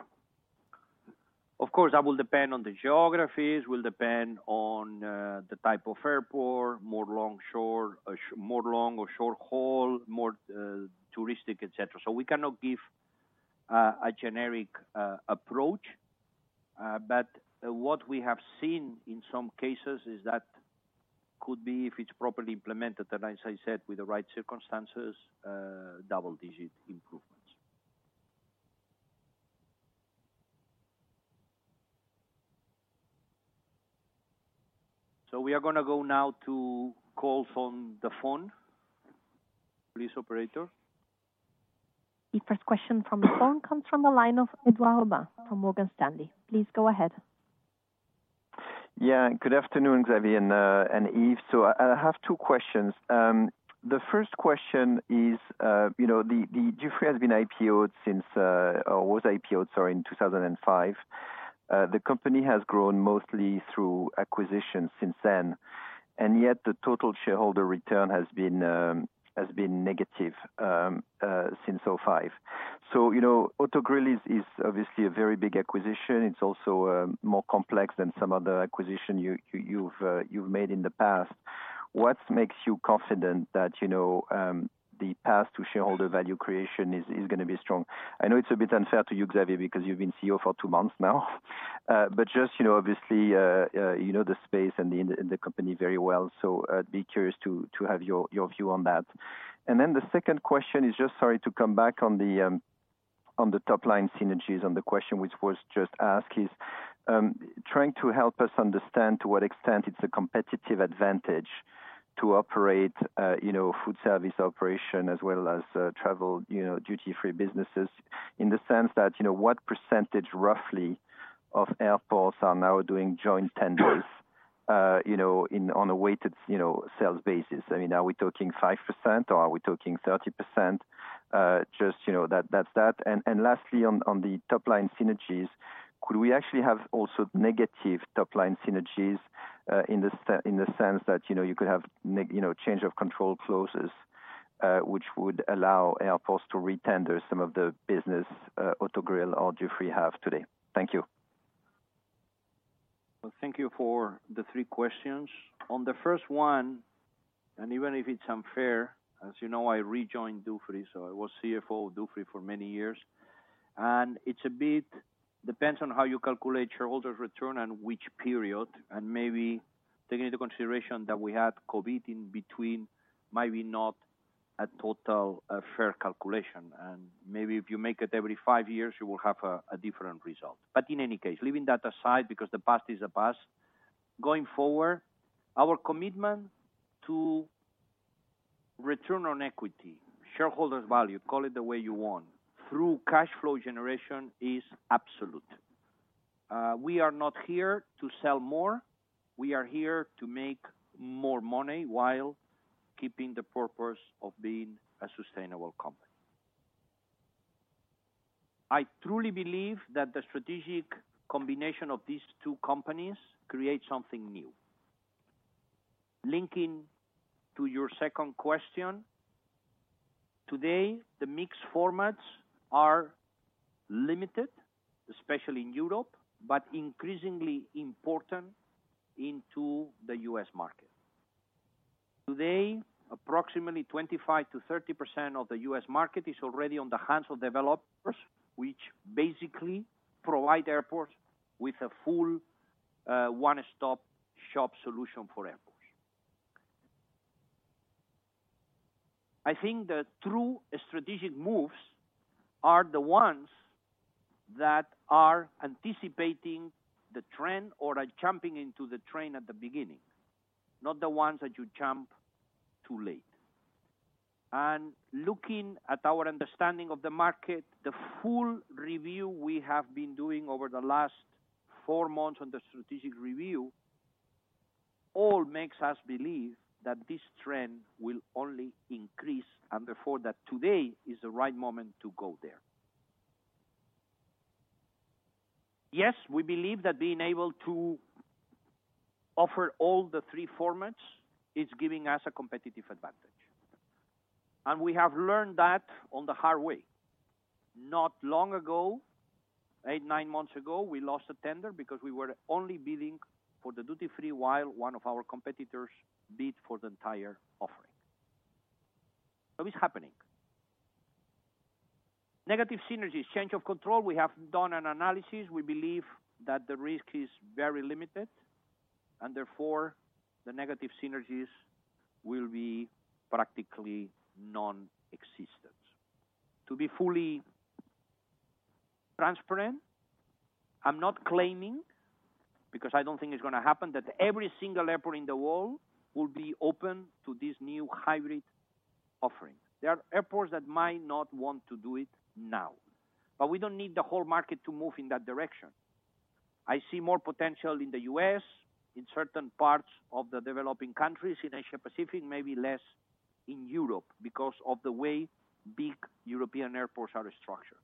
Of course, that will depend on the geographies, will depend on the type of airport, more long-haul or short-haul, more touristic, et cetera. We cannot give a generic approach. But what we have seen in some cases is that could be if it's properly implemented, and as I said, with the right circumstances, double-digit improvements. We are gonna go now to calls from the phone. Please, operator. The first question from the phone comes from the line of Edouard Aubin from Morgan Stanley. Please go ahead. Yeah, good afternoon, Xavier and Yves. I have two questions. The first question is, you know, Dufry has been IPO'd since or was IPO'd, sorry, in 2005. The company has grown mostly through acquisitions since then, and yet the total shareholder return has been negative since 2005. You know, Autogrill is obviously a very big acquisition. It's also more complex than some other acquisition you've made in the past. What makes you confident that, you know, the path to shareholder value creation is gonna be strong? I know it's a bit unfair to you, Xavier, because you've been CEO for two months now. Just, you know, obviously, you know the space and the company very well. I'd be curious to have your view on that. The second question is just sorry to come back on the on the top-line synergies on the question which was just asked, is trying to help us understand to what extent it's a competitive advantage to operate, you know, food service operation as well as travel, you know, duty-free businesses, in the sense that, you know, what percentage roughly of airports are now doing joint tenders, you know, in on a weighted, you know, sales basis. I mean, are we talking 5% or are we talking 30%? Just, you know, that's that. Lastly, on the top-line synergies, could we actually have also negative top-line synergies in the sense that, you know, you could have, you know, change of control clauses, which would allow airports to re-tender some of the business Autogrill or Dufry have today. Thank you. Well, thank you for the three questions. On the first one, and even if it's unfair, as you know, I rejoined Dufry, so I was CFO of Dufry for many years, and it's a bit depends on how you calculate shareholders return and which period, and maybe taking into consideration that we had COVID in between, maybe not a total fair calculation. Maybe if you make it every five years, you will have a different result. In any case, leaving that aside because the past is the past, going forward, our commitment to return on equity, shareholders value, call it the way you want, through cash flow generation is absolute. We are not here to sell more, we are here to make more money while keeping the purpose of being a sustainable company. I truly believe that the strategic combination of these two companies create something new. Linking to your second question, today, the mixed formats are limited, especially in Europe, but increasingly important into the U.S. market. Today, approximately 25%-30% of the U.S. market is already on the hands of developers, which basically provide airports with a full, one-stop shop solution for airports. I think the true strategic moves are the ones that are anticipating the trend or are jumping into the train at the beginning, not the ones that you jump too late. Looking at our understanding of the market, the full review we have been doing over the last four months on the strategic review, all makes us believe that this trend will only increase, and therefore that today is the right moment to go there. Yes, we believe that being able to offer all the three formats is giving us a competitive advantage. We have learned that on the hard way. Not long ago, eight, nine months ago, we lost a tender because we were only bidding for the duty-free, while one of our competitors bid for the entire offering. It's happening. Negative synergies, change of control. We have done an analysis. We believe that the risk is very limited, and therefore, the negative synergies will be practically non-existent. To be fully transparent, I'm not claiming, because I don't think it's gonna happen, that every single airport in the world will be open to this new hybrid offering. There are airports that might not want to do it now. We don't need the whole market to move in that direction. I see more potential in the U.S., in certain parts of the developing countries, in Asia-Pacific, maybe less in Europe because of the way big European airports are structured.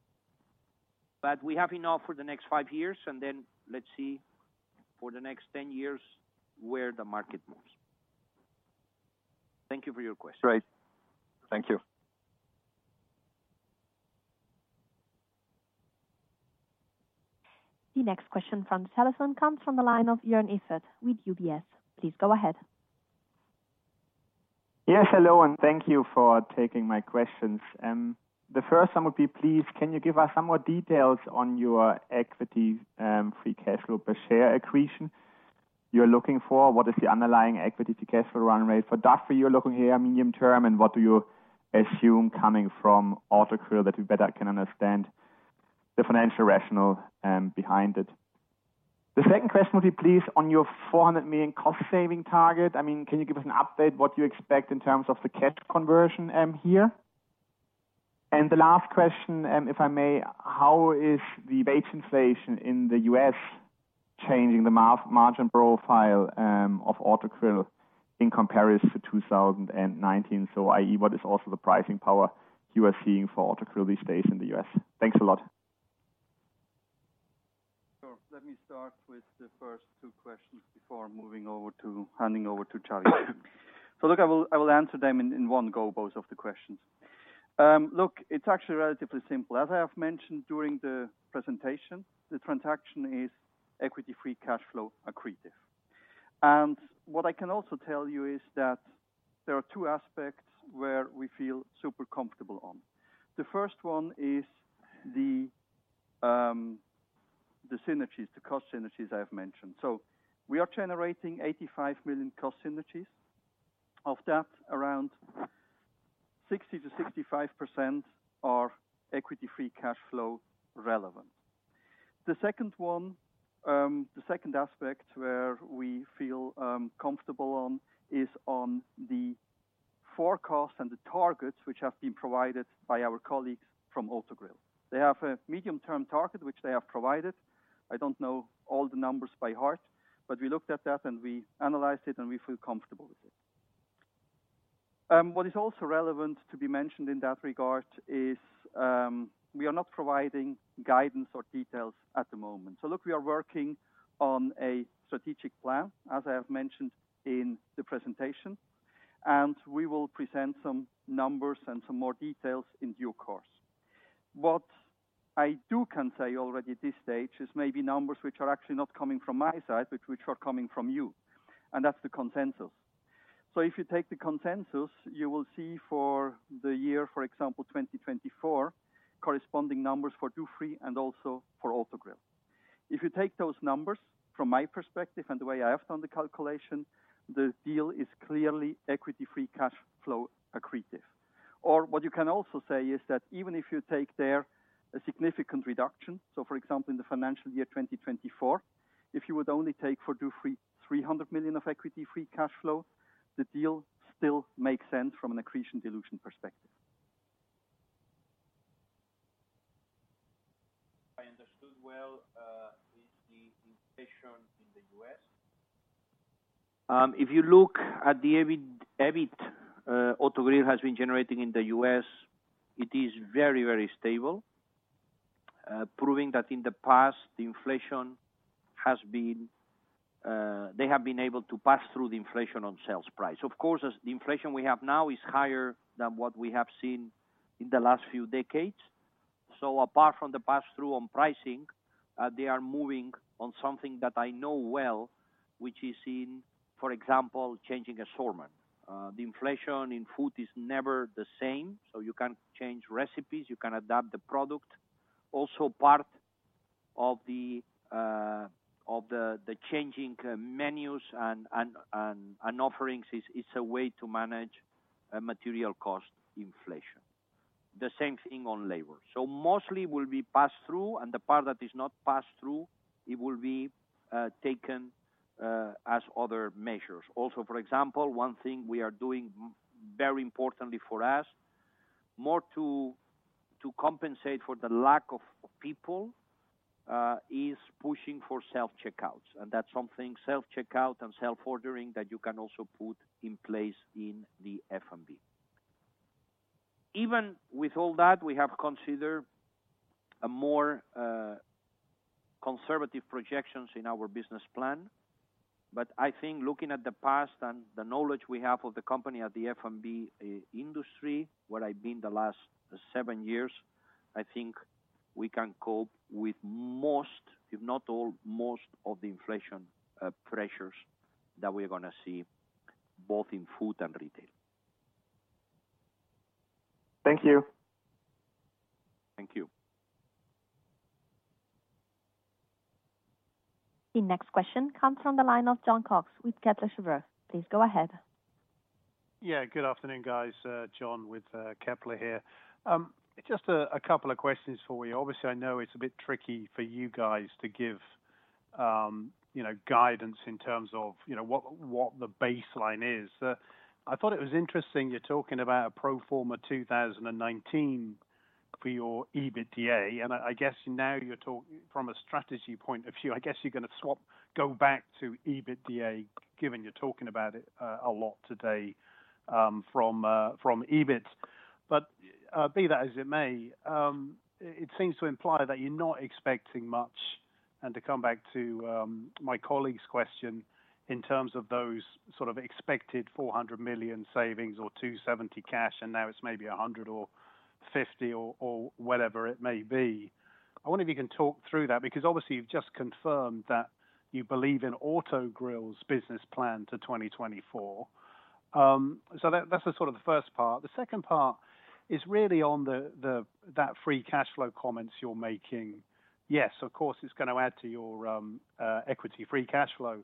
We have enough for the next five years, and then let's see for the next 10 years where the market moves. Thank you for your question. Great. Thank you. The next question from the telephone comes from the line of Joern Iffert with UBS. Please go ahead. Yes, hello, and thank you for taking my questions. The first one would be, please, can you give us some more details on your equity free cash flow per share accretion you're looking for? What is the underlying equity free cash flow run rate for Dufry you're looking here medium term, and what do you assume coming from Autogrill that we better can understand the financial rationale behind it? The second question would be, please, on your 400 million cost-saving target. I mean, can you give us an update what you expect in terms of the cash conversion here? The last question, if I may, how is the wage inflation in the U.S. changing the margin profile of Autogrill in comparison to 2019? I.e., what is also the pricing power you are seeing for Autogrill these days in the U.S.? Thanks a lot. Let me start with the first two questions before handing over to Xavier. Look, I will answer them in one go, both of the questions. Look, it's actually relatively simple. As I have mentioned during the presentation, the transaction is equity-free cash flow accretive. What I can also tell you is that there are two aspects where we feel super comfortable on. The first one is the synergies, the cost synergies I have mentioned. We are generating 85 million cost synergies. Of that, around 60%-65% are equity-free cash flow relevant. The second one, the second aspect where we feel comfortable on is on the forecast and the targets which have been provided by our colleagues from Autogrill. They have a medium-term target which they have provided. I don't know all the numbers by heart, but we looked at that and we analyzed it, and we feel comfortable with it. What is also relevant to be mentioned in that regard is, we are not providing guidance or details at the moment. Look, we are working on a strategic plan, as I have mentioned in the presentation, and we will present some numbers and some more details in due course. What I can say already at this stage is maybe numbers which are actually not coming from my side, but which are coming from you, and that's the consensus. If you take the consensus, you will see for the year, for example, 2024, corresponding numbers for Dufry and also for Autogrill. If you take those numbers from my perspective and the way I have done the calculation, the deal is clearly equity-free cash flow accretive. What you can also say is that even if you take there a significant reduction, so for example, in the financial year 2024, if you would only take for Dufry 300 million of equity-free cash flow, the deal still makes sense from an accretion/dilution perspective. If I understood well, is the inflation in the U.S.? If you look at the EBIT, Autogrill has been generating in the U.S., it is very, very stable, proving that in the past, the inflation has been, they have been able to pass through the inflation on sales price. Of course, as the inflation we have now is higher than what we have seen in the last few decades. Apart from the pass-through on pricing, they are moving on something that I know well, which is in, for example, changing assortment. The inflation in food is never the same, so you can change recipes, you can adapt the product. Also part of the changing menus and offerings is a way to manage material cost inflation. The same thing on labor. Mostly will be pass-through, and the part that is not pass-through, it will be taken as other measures. Also, for example, one thing we are doing very importantly for us, more to compensate for the lack of people, is pushing for self-checkouts. That's something, self-checkout and self-ordering, that you can also put in place in the F&B. Even with all that, we have considered more conservative projections in our business plan. I think looking at the past and the knowledge we have of the company in the F&B industry, where I've been the last seven years, I think we can cope with most, if not all, of the inflation pressures that we're gonna see both in food and retail. Thank you. Thank you. The next question comes from the line of Jon Cox with Kepler Cheuvreux. Please go ahead. Yeah, good afternoon, guys. Jon with Kepler here. Just a couple of questions for you. Obviously, I know it's a bit tricky for you guys to give, you know, guidance in terms of, you know, what the baseline is. I thought it was interesting you're talking about pro forma 2019 for your EBITDA. I guess now from a strategy point of view, I guess you're gonna swap, go back to EBITDA, given you're talking about it a lot today from EBIT. Be that as it may, it seems to imply that you're not expecting much. To come back to my colleague's question in terms of those sort of expected 400 million savings or 270 cash, and now it's maybe 100 or 50 or whatever it may be. I wonder if you can talk through that, because obviously you've just confirmed that you believe in Autogrill's business plan to 2024. So that's the sort of the first part. The second part is really on the that free cash flow comments you're making. Yes, of course, it's gonna add to your equity free cash flow.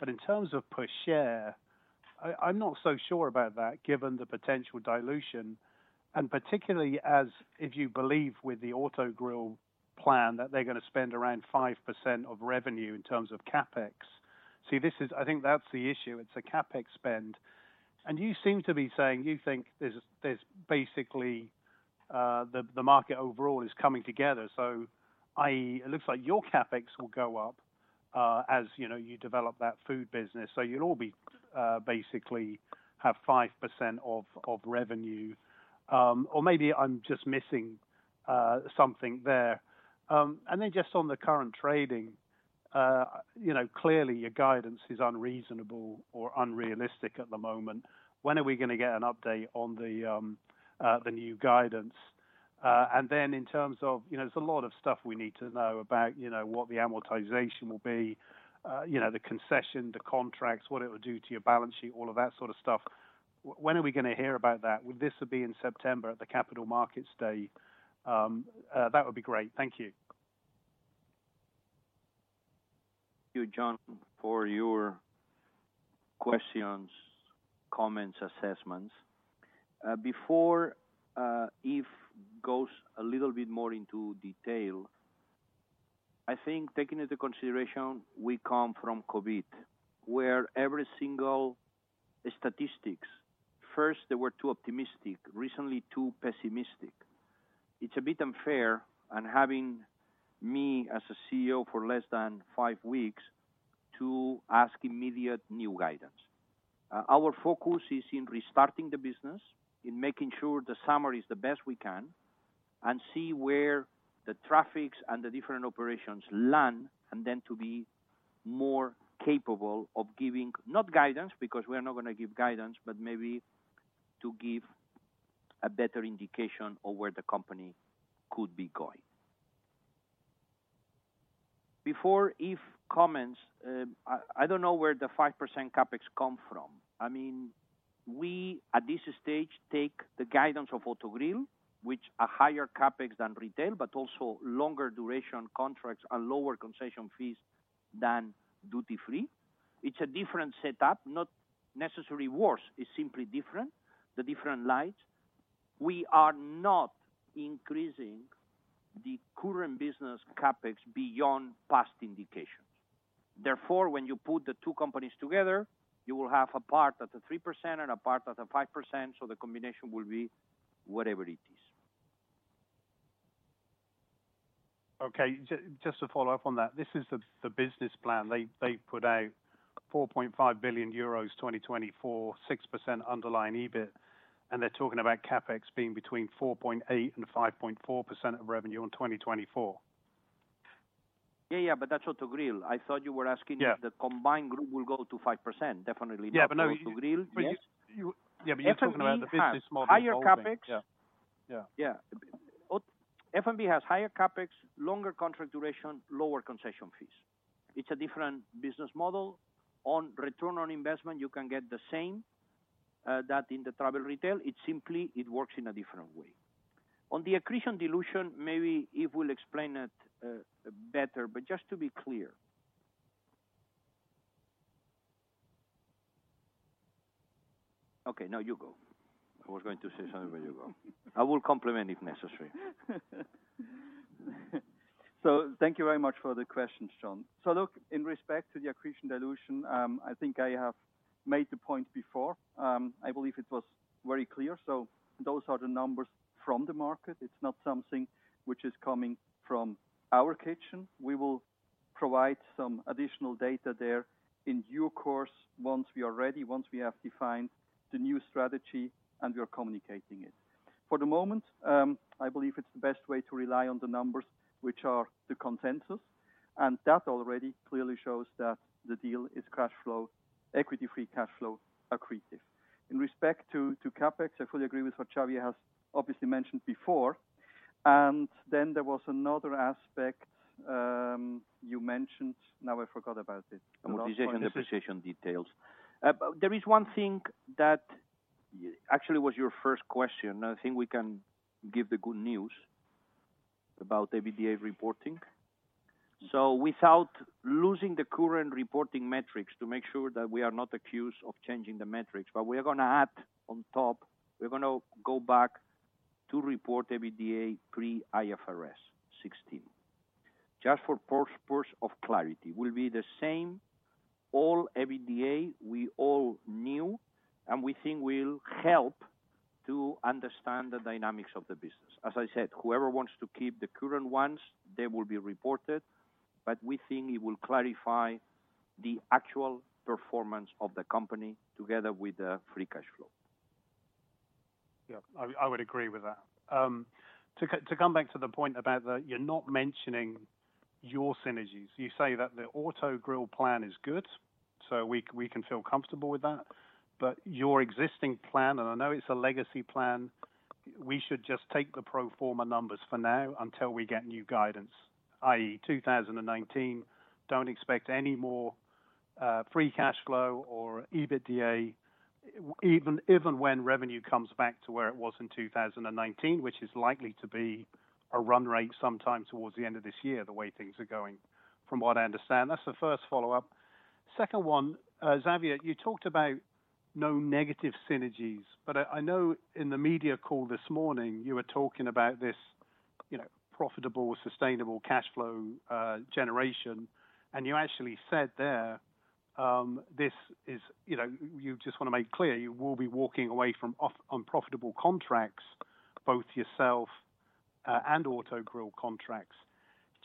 But in terms of per share, I'm not so sure about that given the potential dilution, and particularly as if you believe with the Autogrill plan that they're gonna spend around 5% of revenue in terms of CapEx. I think that's the issue. It's a CapEx spend. You seem to be saying you think there's basically the market overall is coming together. It looks like your CapEx will go up as you know you develop that food business. You'll all basically have 5% of revenue. Or maybe I'm just missing something there. Then just on the current trading you know clearly your guidance is unreasonable or unrealistic at the moment. When are we gonna get an update on the new guidance? Then in terms of you know there's a lot of stuff we need to know about you know what the amortization will be you know the concession the contracts what it will do to your balance sheet all of that sort of stuff. When are we gonna hear about that? Would this be in September at the capital markets day? That would be great. Thank you. you, John, for your questions, comments, assessments. Before Yves goes a little bit more into detail, I think taking into consideration we come from COVID, where every single statistics, first they were too optimistic, recently too pessimistic. It's a bit unfair and having me as a CEO for less than five weeks to ask immediate new guidance. Our focus is in restarting the business, in making sure the summer is the best we can, and see where the traffics and the different operations land, and then to be more capable of giving, not guidance, because we are not gonna give guidance, but maybe to give a better indication of where the company could be going. Before Yves comments, I don't know where the 5% CapEx come from. I mean, we at this stage take the guidance of Autogrill, which are higher CapEx than retail, but also longer duration contracts and lower concession fees than duty-free. It's a different setup, not necessarily worse, it's simply different in different lights. We are not increasing the current business CapEx beyond past indications. Therefore, when you put the two companies together, you will have a part at the 3% and a part at the 5%, so the combination will be whatever it is. Just to follow up on that, this is the business plan. They've put out 4.5 billion euros 2024, 6% underlying EBIT, and they're talking about CapEx being between 4.8% and 5.4% of revenue on 2024. Yeah. Yeah, but that's Autogrill. I thought you were asking if Yeah. The combined group will go to 5%. Definitely not Autogrill. Yeah, no, you. Yes. Yeah, but you. F&B has- Yeah, you're talking about the business model evolving. Higher CapEx. Yeah. Yeah. Yeah. F&B has higher CapEx, longer contract duration, lower concession fees. It's a different business model. On return on investment, you can get the same, that in the travel retail, it's simply it works in a different way. On the accretion dilution, maybe Yves will explain it better, but just to be clear. Okay, now you go. I was going to say something, but you go. I will complement if necessary. Thank you very much for the question, John. Look, in respect to the accretion dilution, I think I have made the point before. I believe it was very clear. Those are the numbers from the market. It's not something which is coming from our kitchen. We will provide some additional data there in due course once we are ready, once we have defined the new strategy and we are communicating it. For the moment, I believe it's the best way to rely on the numbers, which are the consensus, and that already clearly shows that the deal is cash flow, equity-free cash flow accretive. In respect to CapEx, I fully agree with what Xavier has obviously mentioned before. There was another aspect, you mentioned. Now I forgot about it. Consolidation, decision details. There is one thing that actually was your first question. I think we can give the good news about EBITDA reporting. Without losing the current reporting metrics to make sure that we are not accused of changing the metrics, but we are gonna add on top, we're gonna go back to report EBITDA pre IFRS 16. Just for purpose of clarity, will be the same old EBITDA we all knew and we think will help to understand the dynamics of the business. As I said, whoever wants to keep the current ones, they will be reported, but we think it will clarify the actual performance of the company together with the free cash flow. Yeah, I would agree with that. To come back to the point about, you're not mentioning your synergies. You say that the Autogrill plan is good, so we can feel comfortable with that. But your existing plan, and I know it's a legacy plan, we should just take the pro forma numbers for now until we get new guidance, i.e., 2019, don't expect any more free cash flow or EBITDA even when revenue comes back to where it was in 2019, which is likely to be a run rate sometime towards the end of this year, the way things are going, from what I understand. That's the first follow-up. Second one, Xavier, you talked about no negative synergies, but I know in the media call this morning, you were talking about this, you know, profitable, sustainable cash flow generation, and you actually said there, this is, you know, you just wanna make clear you will be walking away from unprofitable contracts, both yourself and Autogrill contracts.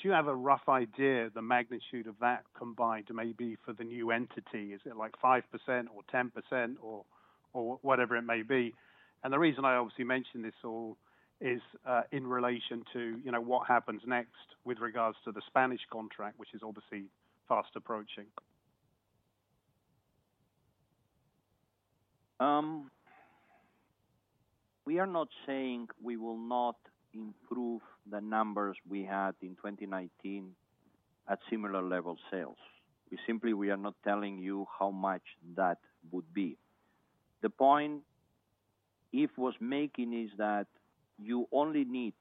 Do you have a rough idea the magnitude of that combined maybe for the new entity? Is it like 5% or 10% or whatever it may be? The reason I obviously mention this all is in relation to, you know, what happens next with regards to the Spanish contract, which is obviously fast approaching. We are not saying we will not improve the numbers we had in 2019 at similar level sales. We simply are not telling you how much that would be. The point Yves was making is that you only need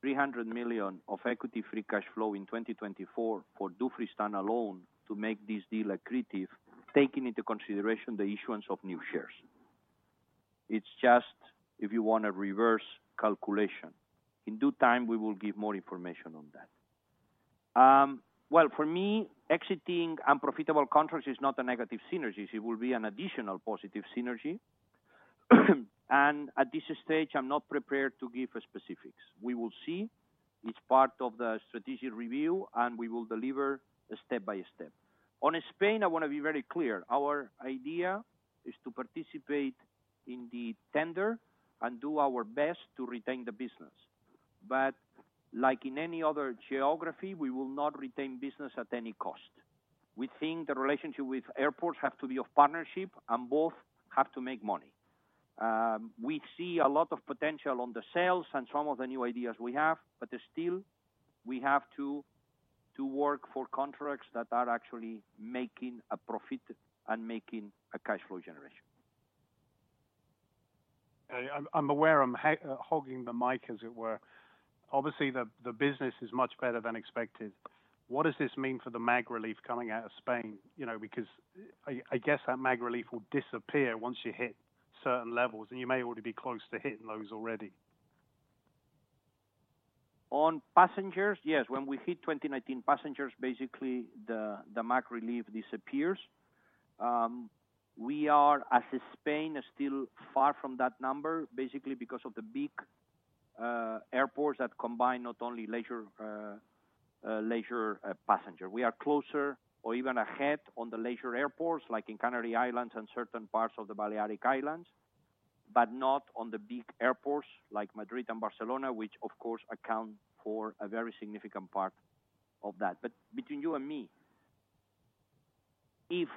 300 million of equity free cash flow in 2024 for Dufry stand alone to make this deal accretive, taking into consideration the issuance of new shares. It's just if you want a reverse calculation. In due time, we will give more information on that. Well, for me, exiting unprofitable contracts is not a negative synergies. It will be an additional positive synergy. At this stage, I'm not prepared to give specifics. We will see each part of the strategic review, and we will deliver step by step. On Spain, I wanna be very clear. Our idea is to participate in the tender and do our best to retain the business. Like in any other geography, we will not retain business at any cost. We think the relationship with airports have to be a partnership and both have to make money. We see a lot of potential on the sales and some of the new ideas we have, but still we have to work for contracts that are actually making a profit and making a cash flow generation. I'm aware I'm hogging the mic as it were. Obviously, the business is much better than expected. What does this mean for the MAG relief coming out of Spain? You know, because I guess that MAG relief will disappear once you hit certain levels, and you may already be close to hitting those already. On passengers, yes. When we hit 2019 passengers, basically the MAG relief disappears. We are as in Spain still far from that number, basically because of the big leisure passenger. We are closer or even ahead on the leisure airports, like in the Canary Islands and certain parts of the Balearic Islands, but not on the big airports, like Madrid and Barcelona, which of course account for a very significant part of that. Between you and me, if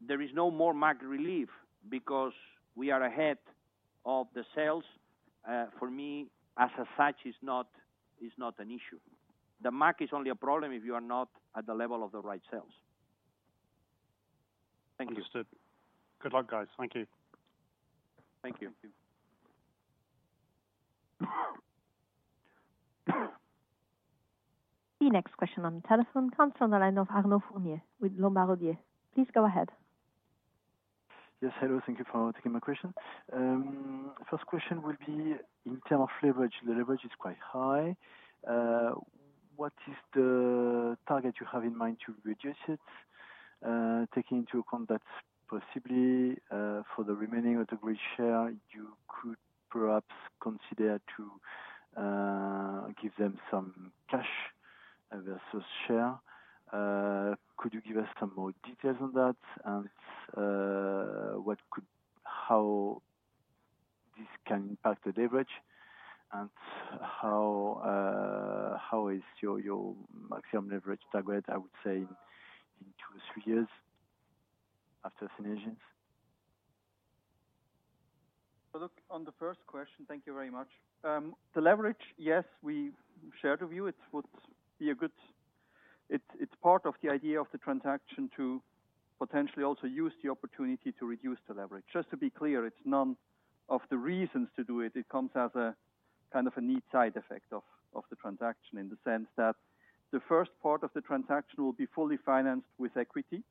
there is no more MAG relief because we are ahead of the sales, for me as such is not an issue. The MAG is only a problem if you are not at the level of the right sales. Thank you. Understood. Good luck, guys. Thank you. Thank you. Thank you. The next question on the telephone comes from the line of Arnaud Fournier with Lombard Odier. Please go ahead. Yes, hello. Thank you for taking my question. First question would be in terms of leverage. The leverage is quite high. What is the target you have in mind to reduce it? Taking into account that possibly for the remaining Autogrill shares, you could perhaps consider to give them some cash versus shares. Could you give us some more details on that? How this can impact the leverage and how is your maximum leverage target, I would say, in 2 years-3 years after synergies? Look, on the first question, thank you very much. The leverage, yes, we share the view. It's part of the idea of the transaction to potentially also use the opportunity to reduce the leverage. Just to be clear, it's none of the reasons to do it. It comes as a kind of a neat side effect of the transaction in the sense that the first part of the transaction will be fully financed with equity,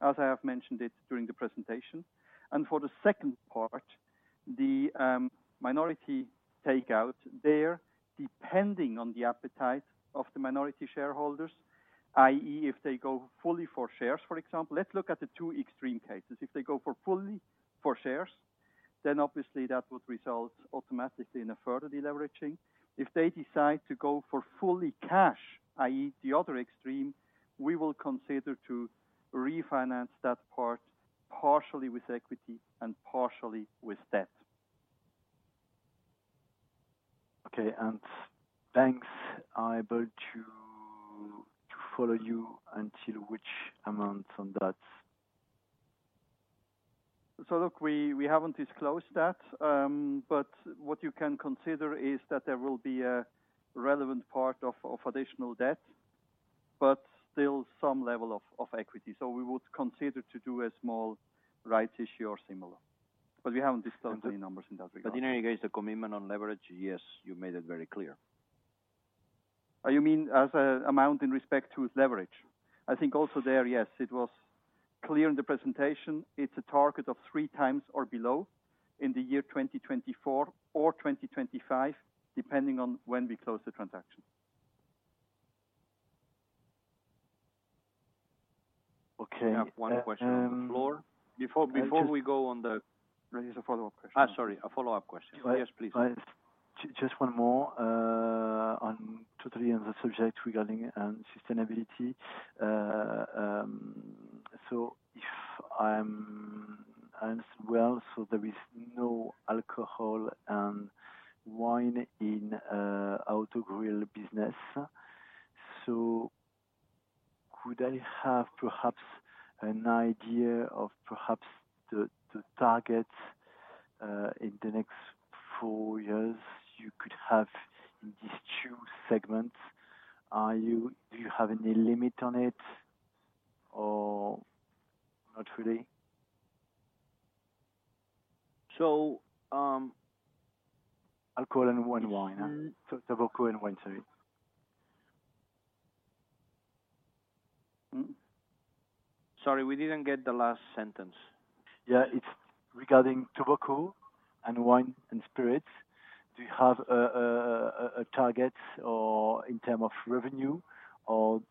as I have mentioned it during the presentation. For the second part, the minority takeout there, depending on the appetite of the minority shareholders, i.e., if they go fully for shares, for example. Let's look at the two extreme cases. If they go fully for shares, then obviously that would result automatically in a further deleveraging. If they decide to go for fully cash, i.e. the other extreme, we will consider to refinance that part partially with equity and partially with debt. Okay. Banks are able to follow you until which amount on that? Look, we haven't disclosed that. What you can consider is that there will be a relevant part of additional debt, but still some level of equity. We would consider to do a small rights issue or similar. We haven't discussed any numbers in that regard. In any case, the commitment on leverage, yes, you made it very clear. Oh, you mean as an amount in respect to leverage? I think also there, yes, it was clear in the presentation, it's a target of 3x or below in the year 2024 or 2025, depending on when we close the transaction. Okay. We have one question on the floor. Before we go on. There is a follow-up question. Sorry. A follow-up question. Yes, please. Just one more, totally on the subject regarding sustainability. As well, there is no alcohol and wine in the Autogrill business. Could I have perhaps an idea of the target in the next four years you could have in these two segments? Do you have any limit on it or not really? So, um- Tobacco and wine, sorry. Sorry, we didn't get the last sentence. Yeah, it's regarding tobacco and wine and spirits. Do you have a target or in terms of revenue? Or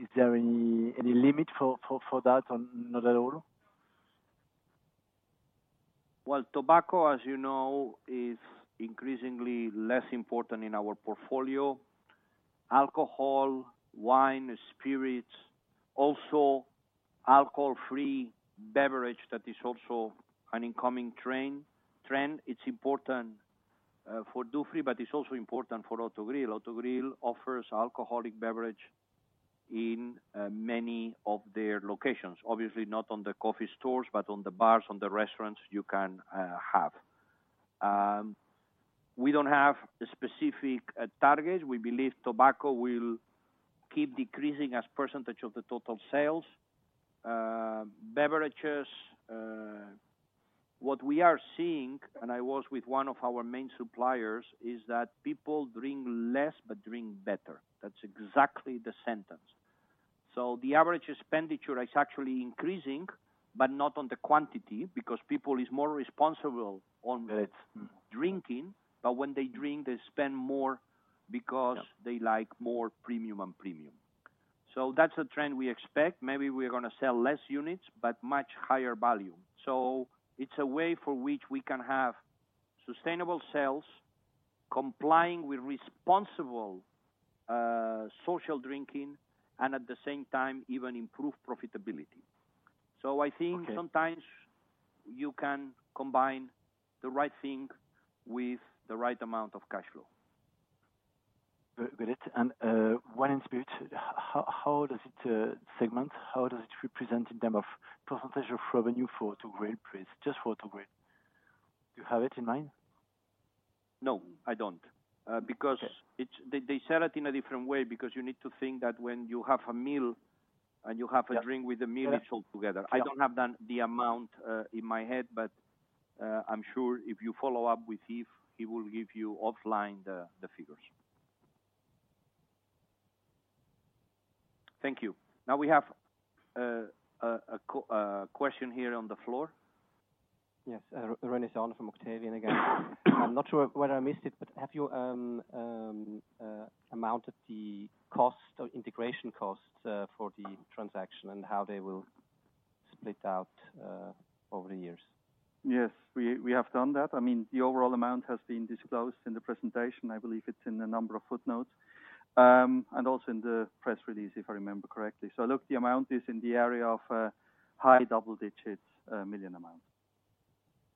is there any limit for that or not at all? Well, tobacco, as you know, is increasingly less important in our portfolio. Alcohol, wine, spirits, also alcohol-free beverage, that is also an incoming trend. It's important for Dufry, but it's also important for Autogrill. Autogrill offers alcoholic beverage in many of their locations. Obviously, not on the coffee stores, but on the bars, on the restaurants you can have. We don't have a specific target. We believe tobacco will keep decreasing as percentage of the total sales. Beverages, what we are seeing, and I was with one of our main suppliers, is that people drink less but drink better. That's exactly the sentence. The average expenditure is actually increasing, but not on the quantity because people is more responsible on the drinking. But when they drink, they spend more because. Yeah. They like more premium and premium. That's a trend we expect. Maybe we're gonna sell less units, but much higher volume. It's a way for which we can have sustainable sales complying with responsible social drinking and at the same time, even improve profitability. Okay. I think sometimes you can combine the right thing with the right amount of cash flow. Great. Wine and spirits, how does it segment, how does it represent in terms of percentage of revenue for Autogrill, please? Just for Autogrill. Do you have it in mind? No, I don't. Okay. They sell it in a different way because you need to think that when you have a meal and you have a drink with the meal, it's all together. Yeah. I don't have the amount in my head, but I'm sure if you follow up with Yves, he will give you offline the figures. Thank you. Now we have a question here on the floor. Yes. René Sans from Octavian again. I'm not sure whether I missed it, but have you announced the cost or integration costs for the transaction and how they will Split out over the years. Yes. We have done that. I mean, the overall amount has been disclosed in the presentation. I believe it's in a number of footnotes, and also in the press release, if I remember correctly. Look, the amount is in the area of CHF high double-digits million amount.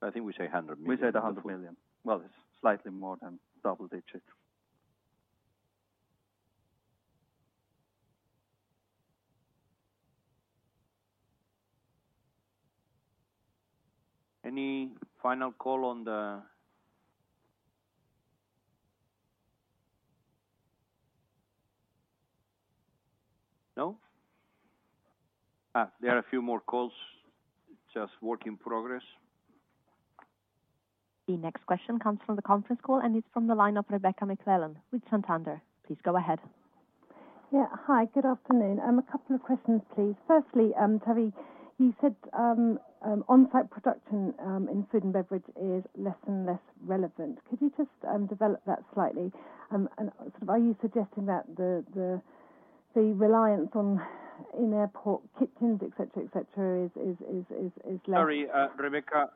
I think we say 100 million. We said 100 million. Well, it's slightly more than double-digits. No? There are a few more calls, just work in progress. The next question comes from the conference call, and it's from the line of Rebecca McClellan with Santander. Please go ahead. Yeah. Hi, good afternoon. A couple of questions, please. Firstly, Xavi, you said on-site production in food and beverage is less and less relevant. Could you just develop that slightly? Sort of are you suggesting that the reliance on in-airport kitchens, et cetera, is less- Sorry, Rebecca,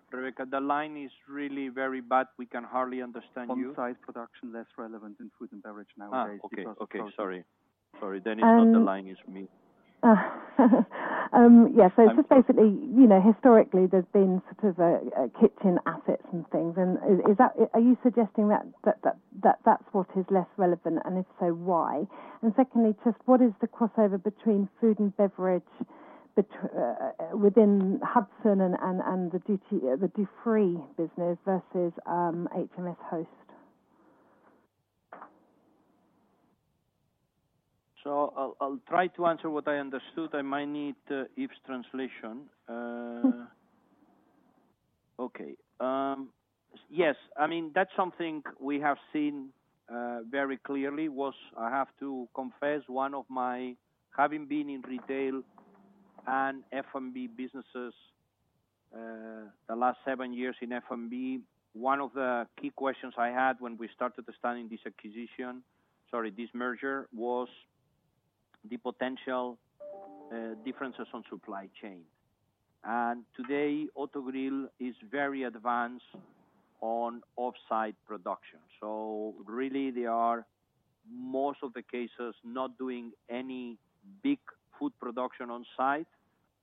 the line is really very bad. We can hardly understand you. On-site production less relevant than food and beverage nowadays because. Okay. Sorry. It's not the line, it's me. Just basically, you know, historically there's been sort of a kitchen asset and things, and is that? Are you suggesting that that's what is less relevant? And if so, why? And secondly, just what is the crossover between food and beverage within Hudson and the duty free business versus HMSHost? I'll try to answer what I understood. I might need Yves' translation. Yes. I mean, that's something we have seen very clearly. I have to confess one of my having been in retail and F&B businesses, the last seven years in F&B, one of the key questions I had when we started studying this acquisition, sorry, this merger, was the potential differences on supply chain. Today, Autogrill is very advanced on off-site production. Really they are, most of the cases, not doing any big food production on site.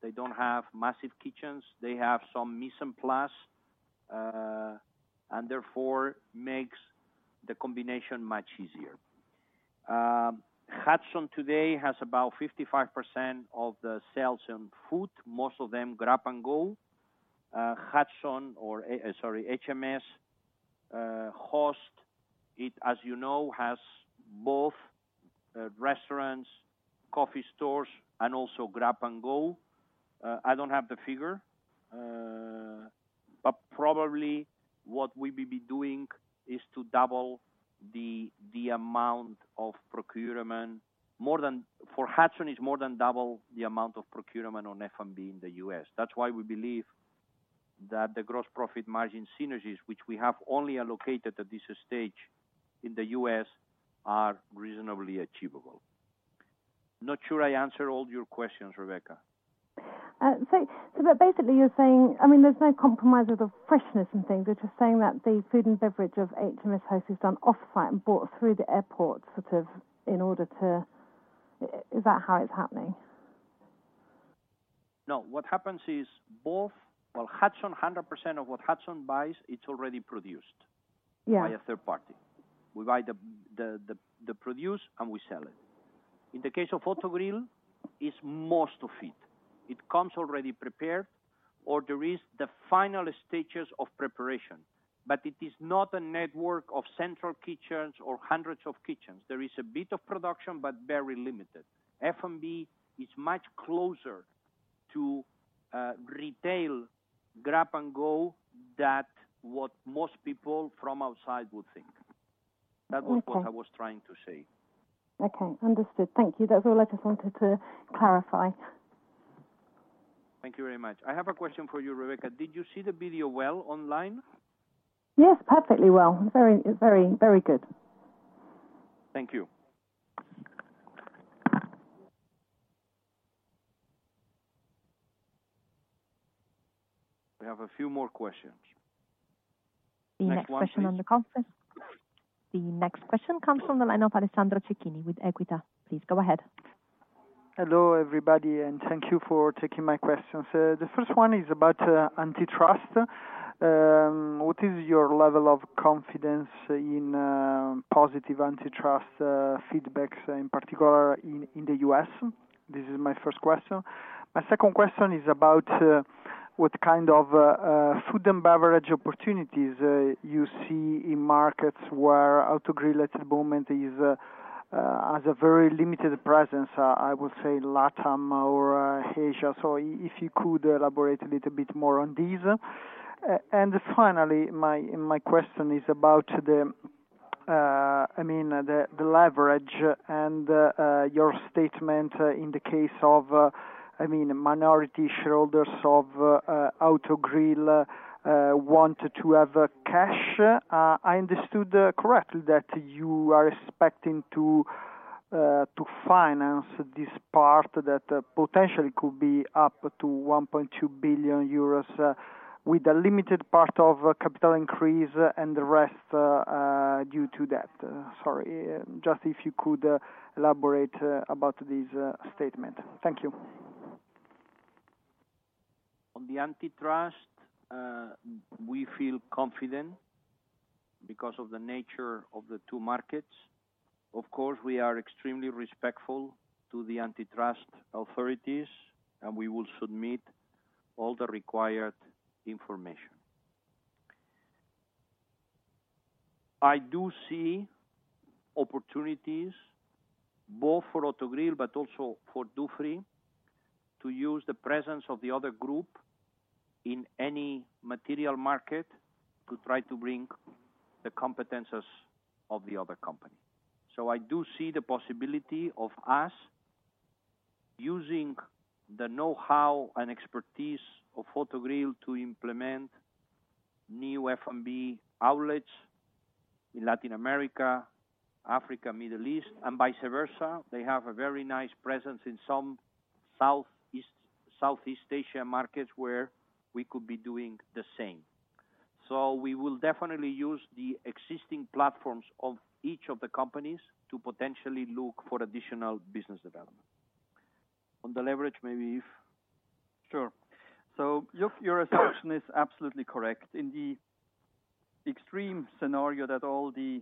They don't have massive kitchens. They have some mise en place and therefore makes the combination much easier. Hudson today has about 55% of the sales in food, most of them grab and go. HMSHost, as you know, has both restaurants, coffee stores, and also grab and go. I don't have the figure, but probably what we will be doing is to double the amount of procurement. For Hudson, it's more than double the amount of procurement on F&B in the US. That's why we believe that the gross profit margin synergies, which we have only allocated at this stage in the US, are reasonably achievable. Not sure I answered all your questions, Rebecca McLellan. Basically you're saying, I mean, there's no compromise of the freshness and things. You're just saying that the food and beverage of HMSHost is done off-site and brought through the airport sort of in order to. Is that how it's happening? No. What happens is, well, Hudson, 100% of what Hudson buys, it's already produced. Yeah by a third party. We buy the produce, and we sell it. In the case of Autogrill, it's most of it. It comes already prepared, or there is the final stages of preparation. It is not a network of central kitchens or hundreds of kitchens. There is a bit of production, but very limited. F&B is much closer to retail grab and go than what most people from outside would think. Okay. That was what I was trying to say. Okay. Understood. Thank you. That's all I just wanted to clarify. Thank you very much. I have a question for you, Rebecca. Did you see the video well online? Yes, perfectly well. Very good. Thank you. We have a few more questions. Next one, please. The next question on the conference. The next question comes from the line of Alessandro Cecchini with Equita. Please go ahead. Hello, everybody, and thank you for taking my questions. The first one is about antitrust. What is your level of confidence in positive antitrust feedback, in particular in the U.S.? This is my first question. My second question is about what kind of food and beverage opportunities you see in markets where Autogrill at the moment has a very limited presence, I would say LATAM or Asia. If you could elaborate a little bit more on this. Finally, my question is about the, I mean, the leverage and your statement in the case of, I mean, minority shareholders of Autogrill want to have cash. I understood correctly that you are expecting to finance this part that potentially could be up to 1.2 billion euros with a limited part of a capital increase and the rest due to debt. Sorry, just if you could elaborate about this statement. Thank you. On the antitrust, we feel confident because of the nature of the two markets. Of course, we are extremely respectful to the antitrust authorities, and we will submit all the required information. I do see opportunities both for Autogrill, but also for Dufry to use the presence of the other group in any material market to try to bring the competencies of the other company. I do see the possibility of us using the know-how and expertise of Autogrill to implement new F&B outlets in Latin America, Africa, Middle East, and vice versa. They have a very nice presence in some Southeast Asia markets where we could be doing the same. We will definitely use the existing platforms of each of the companies to potentially look for additional business development. On the leverage, maybe Yves. Sure. Your assumption is absolutely correct. In the extreme scenario that all the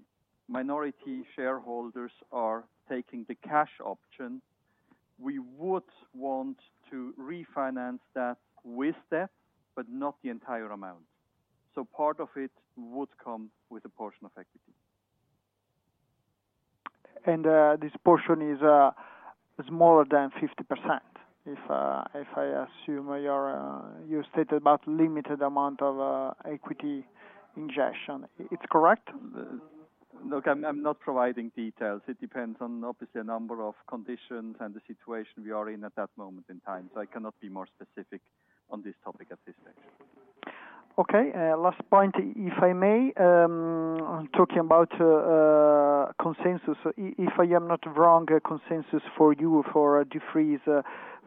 minority shareholders are taking the cash option, we would want to refinance that with debt, but not the entire amount. Part of it would come with a portion of equity. This portion is smaller than 50%, if I assume you stated about limited amount of equity injection. It's correct? Look, I'm not providing details. It depends on obviously a number of conditions and the situation we are in at that moment in time. I cannot be more specific on this topic at this stage. Okay. Last point, if I may, talking about consensus. If I am not wrong, consensus for you for Dufry is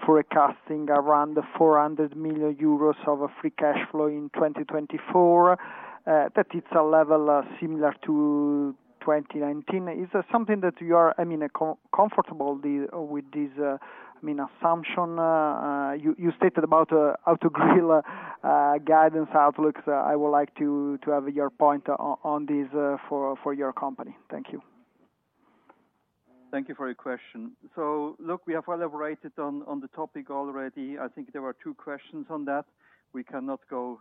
forecasting around 400 million euros of a free cash flow in 2024. That it's a level similar to 2019. Is there something that you are, I mean, comfortable with this, I mean, assumption? You stated about Autogrill guidance outlook. I would like to have your point on this for your company. Thank you. Thank you for your question. Look, we have elaborated on the topic already. I think there were two questions on that. We cannot go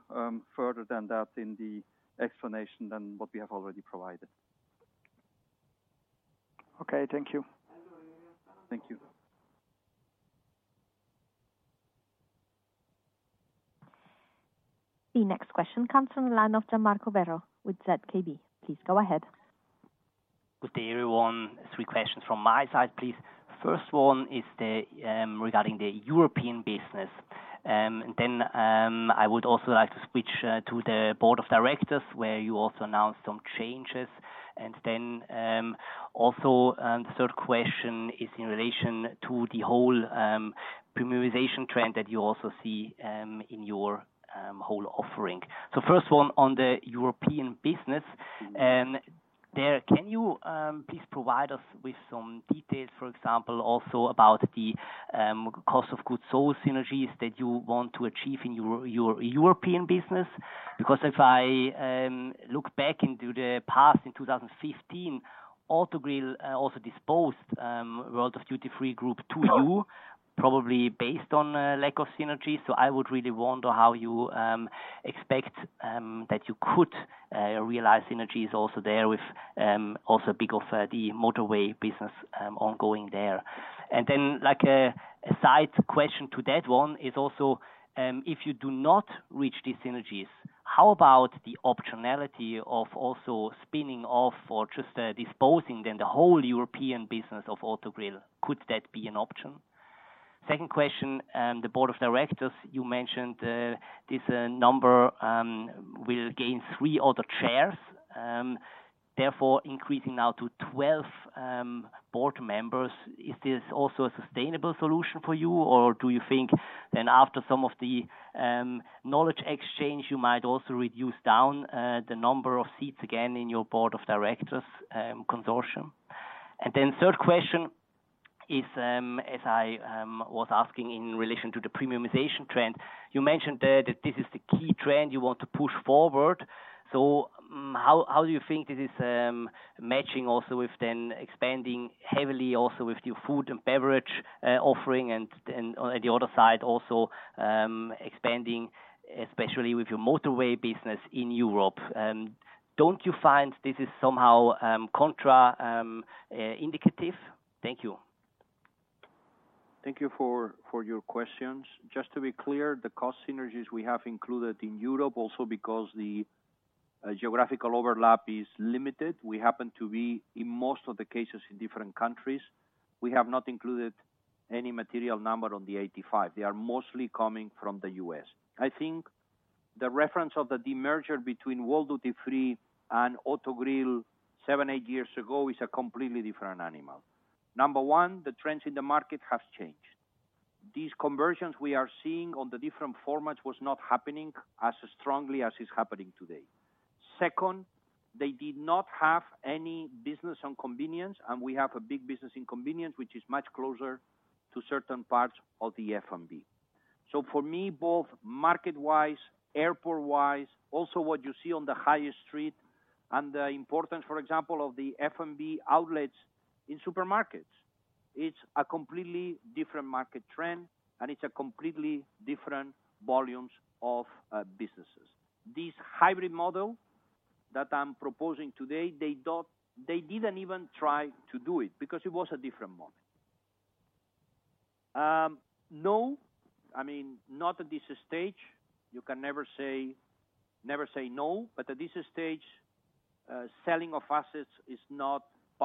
further than that in the explanation than what we have already provided. Okay, thank you. Thank you. The next question comes from the line of Gian-Marco Werro with ZKB. Please go ahead. Good day, everyone. Three questions from my side, please. First one is regarding the European business. Then, I would also like to switch to the board of directors where you also announced some changes. Third question is in relation to the whole premiumization trend that you also see in your whole offering. First one on the European business. There, can you please provide us with some details, for example, also about the cost of goods sold synergies that you want to achieve in your European business? Because if I look back into the past in 2015, Autogrill also disposed World Duty Free Group to you probably based on a lack of synergies. I would really wonder how you expect that you could realize synergies also there with also because of the motorway business ongoing there. Like, a side question to that one is also if you do not reach these synergies, how about the optionality of also spinning off or just disposing then the whole European business of Autogrill? Could that be an option? Second question, the board of directors you mentioned this number will gain three other chairs therefore increasing now to 12 board members. Is this also a sustainable solution for you? Or do you think then after some of the knowledge exchange, you might also reduce down the number of seats again in your board of directors consortium? Third question is, as I was asking in relation to the premiumization trend, you mentioned that this is the key trend you want to push forward. How do you think this is matching also with then expanding heavily also with your food and beverage offering and then on the other side also expanding, especially with your motorway business in Europe? Don't you find this is somehow contraindicative? Thank you. Thank you for your questions. Just to be clear, the cost synergies we have included in Europe also because the geographical overlap is limited. We happen to be, in most of the cases, in different countries. We have not included any material number on the 85. They are mostly coming from the US. The reference of the demerger between World Duty Free and Autogrill 7 years-8 years ago is a completely different animal. Number one, the trends in the market has changed. These conversions we are seeing on the different formats was not happening as strongly as is happening today. Second, they did not have any business on convenience, and we have a big business in convenience, which is much closer to certain parts of the F&B. For me, both market-wise, airport-wise, also what you see on the high street and the importance, for example, of the F&B outlets in supermarkets, it's a completely different market trend, and it's a completely different volume of business. This hybrid model that I'm proposing today, they didn't even try to do it because it was a different moment. No, I mean, not at this stage. You can never say never, but at this stage, selling of assets is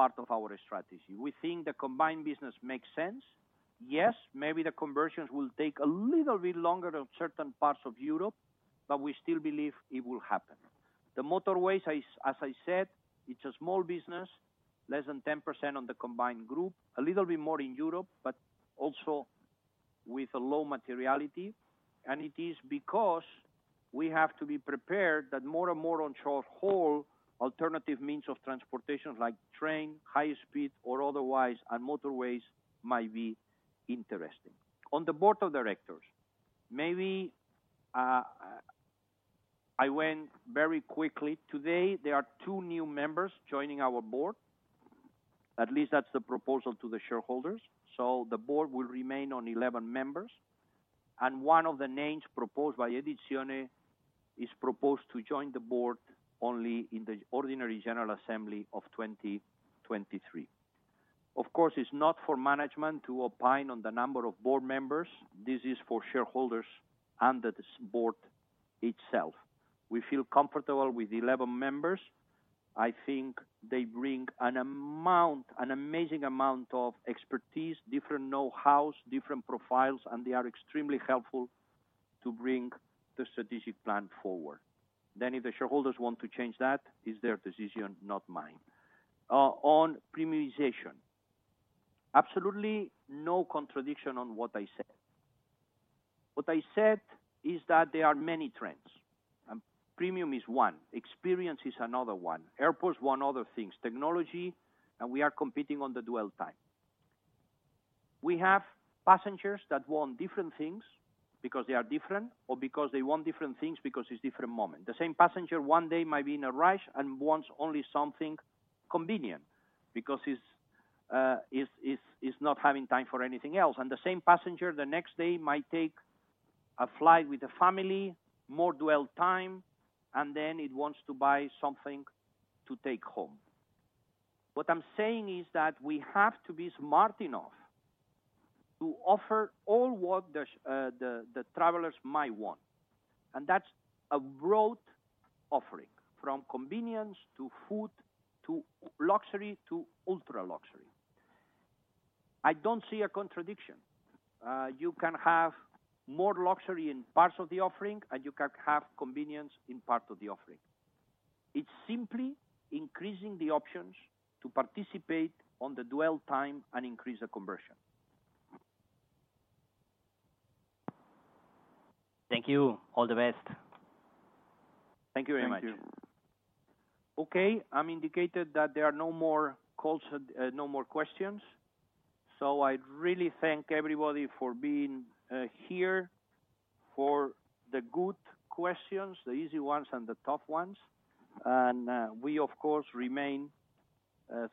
not part of our strategy. We think the combined business makes sense. Yes, maybe the conversions will take a little bit longer on certain parts of Europe, but we still believe it will happen. The motorways, as I said, it's a small business, less than 10% on the combined group, a little bit more in Europe, but also with a low materiality. It is because we have to be prepared that more and more on short-haul alternative means of transportation, like train, high speed or otherwise, and motorways might be interesting. On the board of directors, maybe, I went very quickly. Today, there are two new members joining our board. At least that's the proposal to the shareholders. The board will remain on eleven members. One of the names proposed by Edizione is proposed to join the board only in the ordinary general assembly of 2023. Of course, it's not for management to opine on the number of board members. This is for shareholders and the board itself. We feel comfortable with eleven members. I think they bring an amount, an amazing amount of expertise, different know-hows, different profiles, and they are extremely helpful to bring the strategic plan forward. If the shareholders want to change that, it's their decision, not mine. On premiumization, absolutely no contradiction on what I said. What I said is that there are many trends, and premium is one. Experience is another one. Airports want other things, technology, and we are competing on the dwell time. We have passengers that want different things because they are different or because they want different things because it's different moment. The same passenger one day might be in a rush and wants only something convenient because he's not having time for anything else. The same passenger the next day might take a flight with a family, more dwell time, and then he wants to buy something to take home. What I'm saying is that we have to be smart enough to offer all what the travelers might want. That's a broad offering, from convenience to food to luxury to ultra-luxury. I don't see a contradiction. You can have more luxury in parts of the offering, and you can have convenience in part of the offering. It's simply increasing the options to participate on the dwell time and increase the conversion. Thank you. All the best. Thank you very much. Thank you. Okay, I'm informed that there are no more calls and no more questions. I really thank everybody for being here, for the good questions, the easy ones and the tough ones. We, of course, remain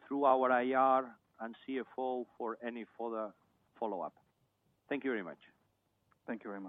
through our IR and CFO for any further follow-up. Thank you very much. Thank you very much.